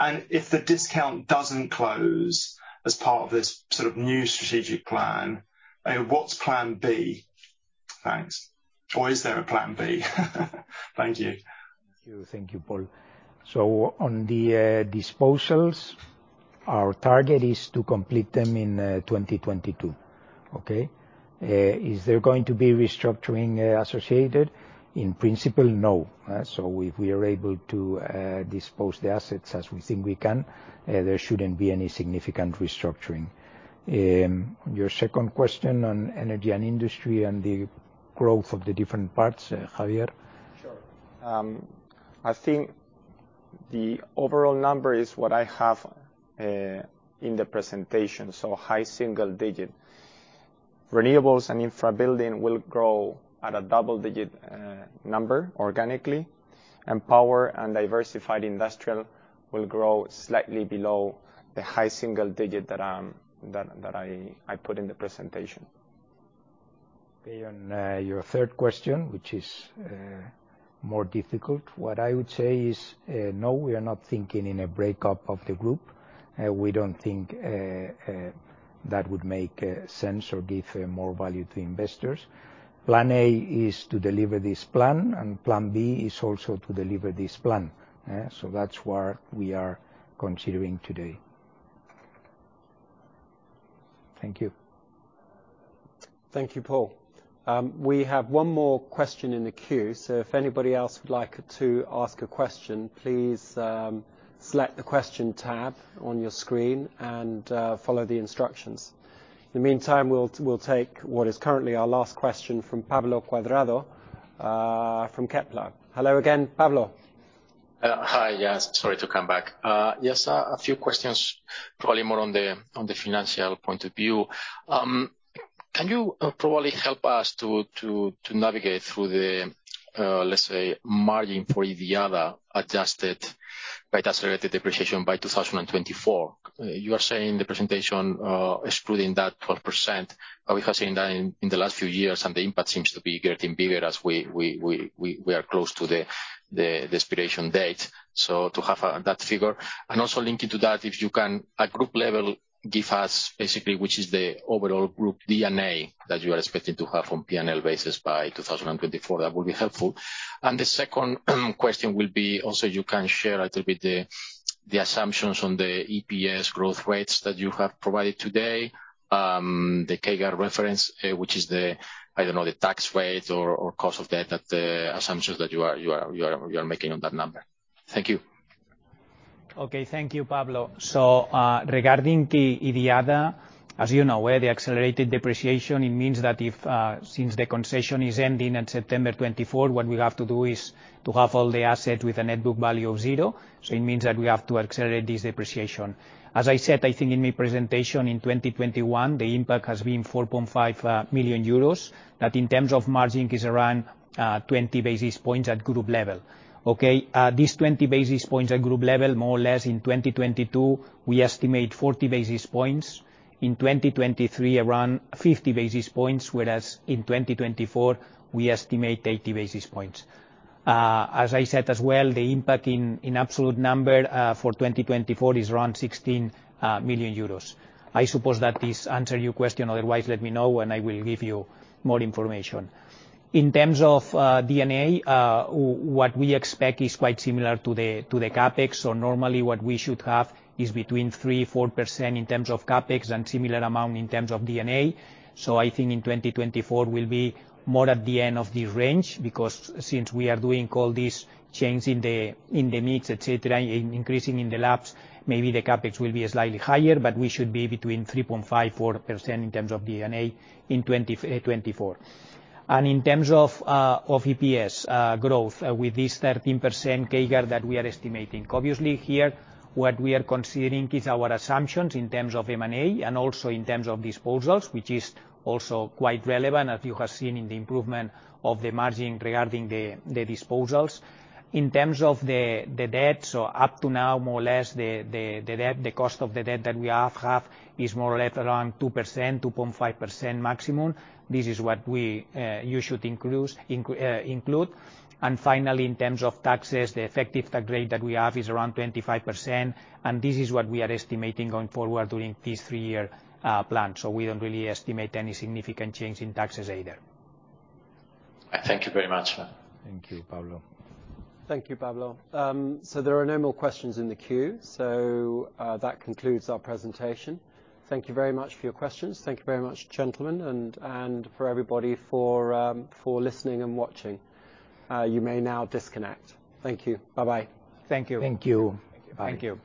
if the discount doesn't close as part of this sort of new strategic plan, what's plan B? Thanks. Or is there a plan B? Thank you. Thank you. Thank you, Paul. On the disposals, our target is to complete them in 2022, okay? Is there going to be restructuring associated? In principle, no. If we are able to dispose the assets as we think we can, there shouldn't be any significant restructuring. Your second question on energy and industry and the growth of the different parts, Javier. Sure. I think the overall number is what I have in the presentation, so high single-digit %. Renewables and infrastructure will grow at a double-digit % organically. Power and Diversified Industrial will grow slightly below the high single-digit % that I put in the presentation. Your third question, which is more difficult. What I would say is no, we are not thinking in a breakup of the group. We don't think that would make sense or give more value to investors. Plan A is to deliver this plan, and plan B is also to deliver this plan, so that's what we are considering today. Thank you. Thank you, Paul. We have one more question in the queue, so if anybody else would like to ask a question, please, select the question tab on your screen, and follow the instructions. In the meantime, we'll take what is currently our last question from Pablo Cuadrado, from Kepler. Hello again, Pablo. Hi, yes. Sorry to come back. Yes, a few questions, probably more on the financial point of view. Can you probably help us to navigate through the, let's say, margin for IDIADA adjusted by the accelerated depreciation by 2024? You are saying the presentation excluding that 12%, but we have seen that in the last few years, and the impact seems to be getting bigger as we are close to the expiration date. To have that figure. Also linking to that, if you can, at group level, give us basically which is the overall group D&A that you are expecting to have on P&L basis by 2024, that would be helpful. The second question will be, you can share a little bit the assumptions on the EPS growth rates that you have provided today. The CAGR reference, which is the, I don't know, the tax rate or cost of debt, that the assumptions that you are making on that number. Thank you. Okay, thank you, Pablo. Regarding the IDIADA, as you know, where the accelerated depreciation, it means that if, since the concession is ending in September 2024, what we have to do is to have all the asset with a net book value of zero. It means that we have to accelerate this depreciation. As I said, I think in my presentation, in 2021, the impact has been 4.5 million euros, that in terms of margin is around 20 basis points at group level, okay? These 20 basis points at group level, more or less in 2022, we estimate 40 basis points. In 2023, around 50 basis points, whereas in 2024, we estimate 80 basis points. As I said as well, the impact in absolute number for 2024 is around 16 million euros. I suppose that this answers your question, otherwise let me know, and I will give you more information. In terms of D&A, what we expect is quite similar to the CapEx. Normally, what we should have is between 3%-4% in terms of CapEx and similar amount in terms of D&A. I think in 2024, we'll be more at the end of the range, because since we are doing all these changes in the mix, et cetera, increasing in the labs, maybe the CapEx will be slightly higher, but we should be between 3.5%-4% in terms of D&A in 2024. In terms of EPS growth with this 13% CAGR that we are estimating, obviously here, what we are considering is our assumptions in terms of M&A and also in terms of disposals, which is also quite relevant, as you have seen in the improvement of the margin regarding the disposals. In terms of the debt, up to now, more or less, the debt, the cost of the debt that we have is more or less around 2%, 2.5% maximum. This is what you should include. Finally, in terms of taxes, the effective tax rate that we have is around 25%, and this is what we are estimating going forward during this 3-year plan. We don't really estimate any significant change in taxes either. Thank you very much. Thank you, Pablo. Thank you, Pablo. There are no more questions in the queue. That concludes our presentation. Thank you very much for your questions. Thank you very much, gentlemen, and for everybody for listening and watching. You may now disconnect. Thank you. Bye-bye. Thank you. Thank you. Thank you. Bye. Thank you.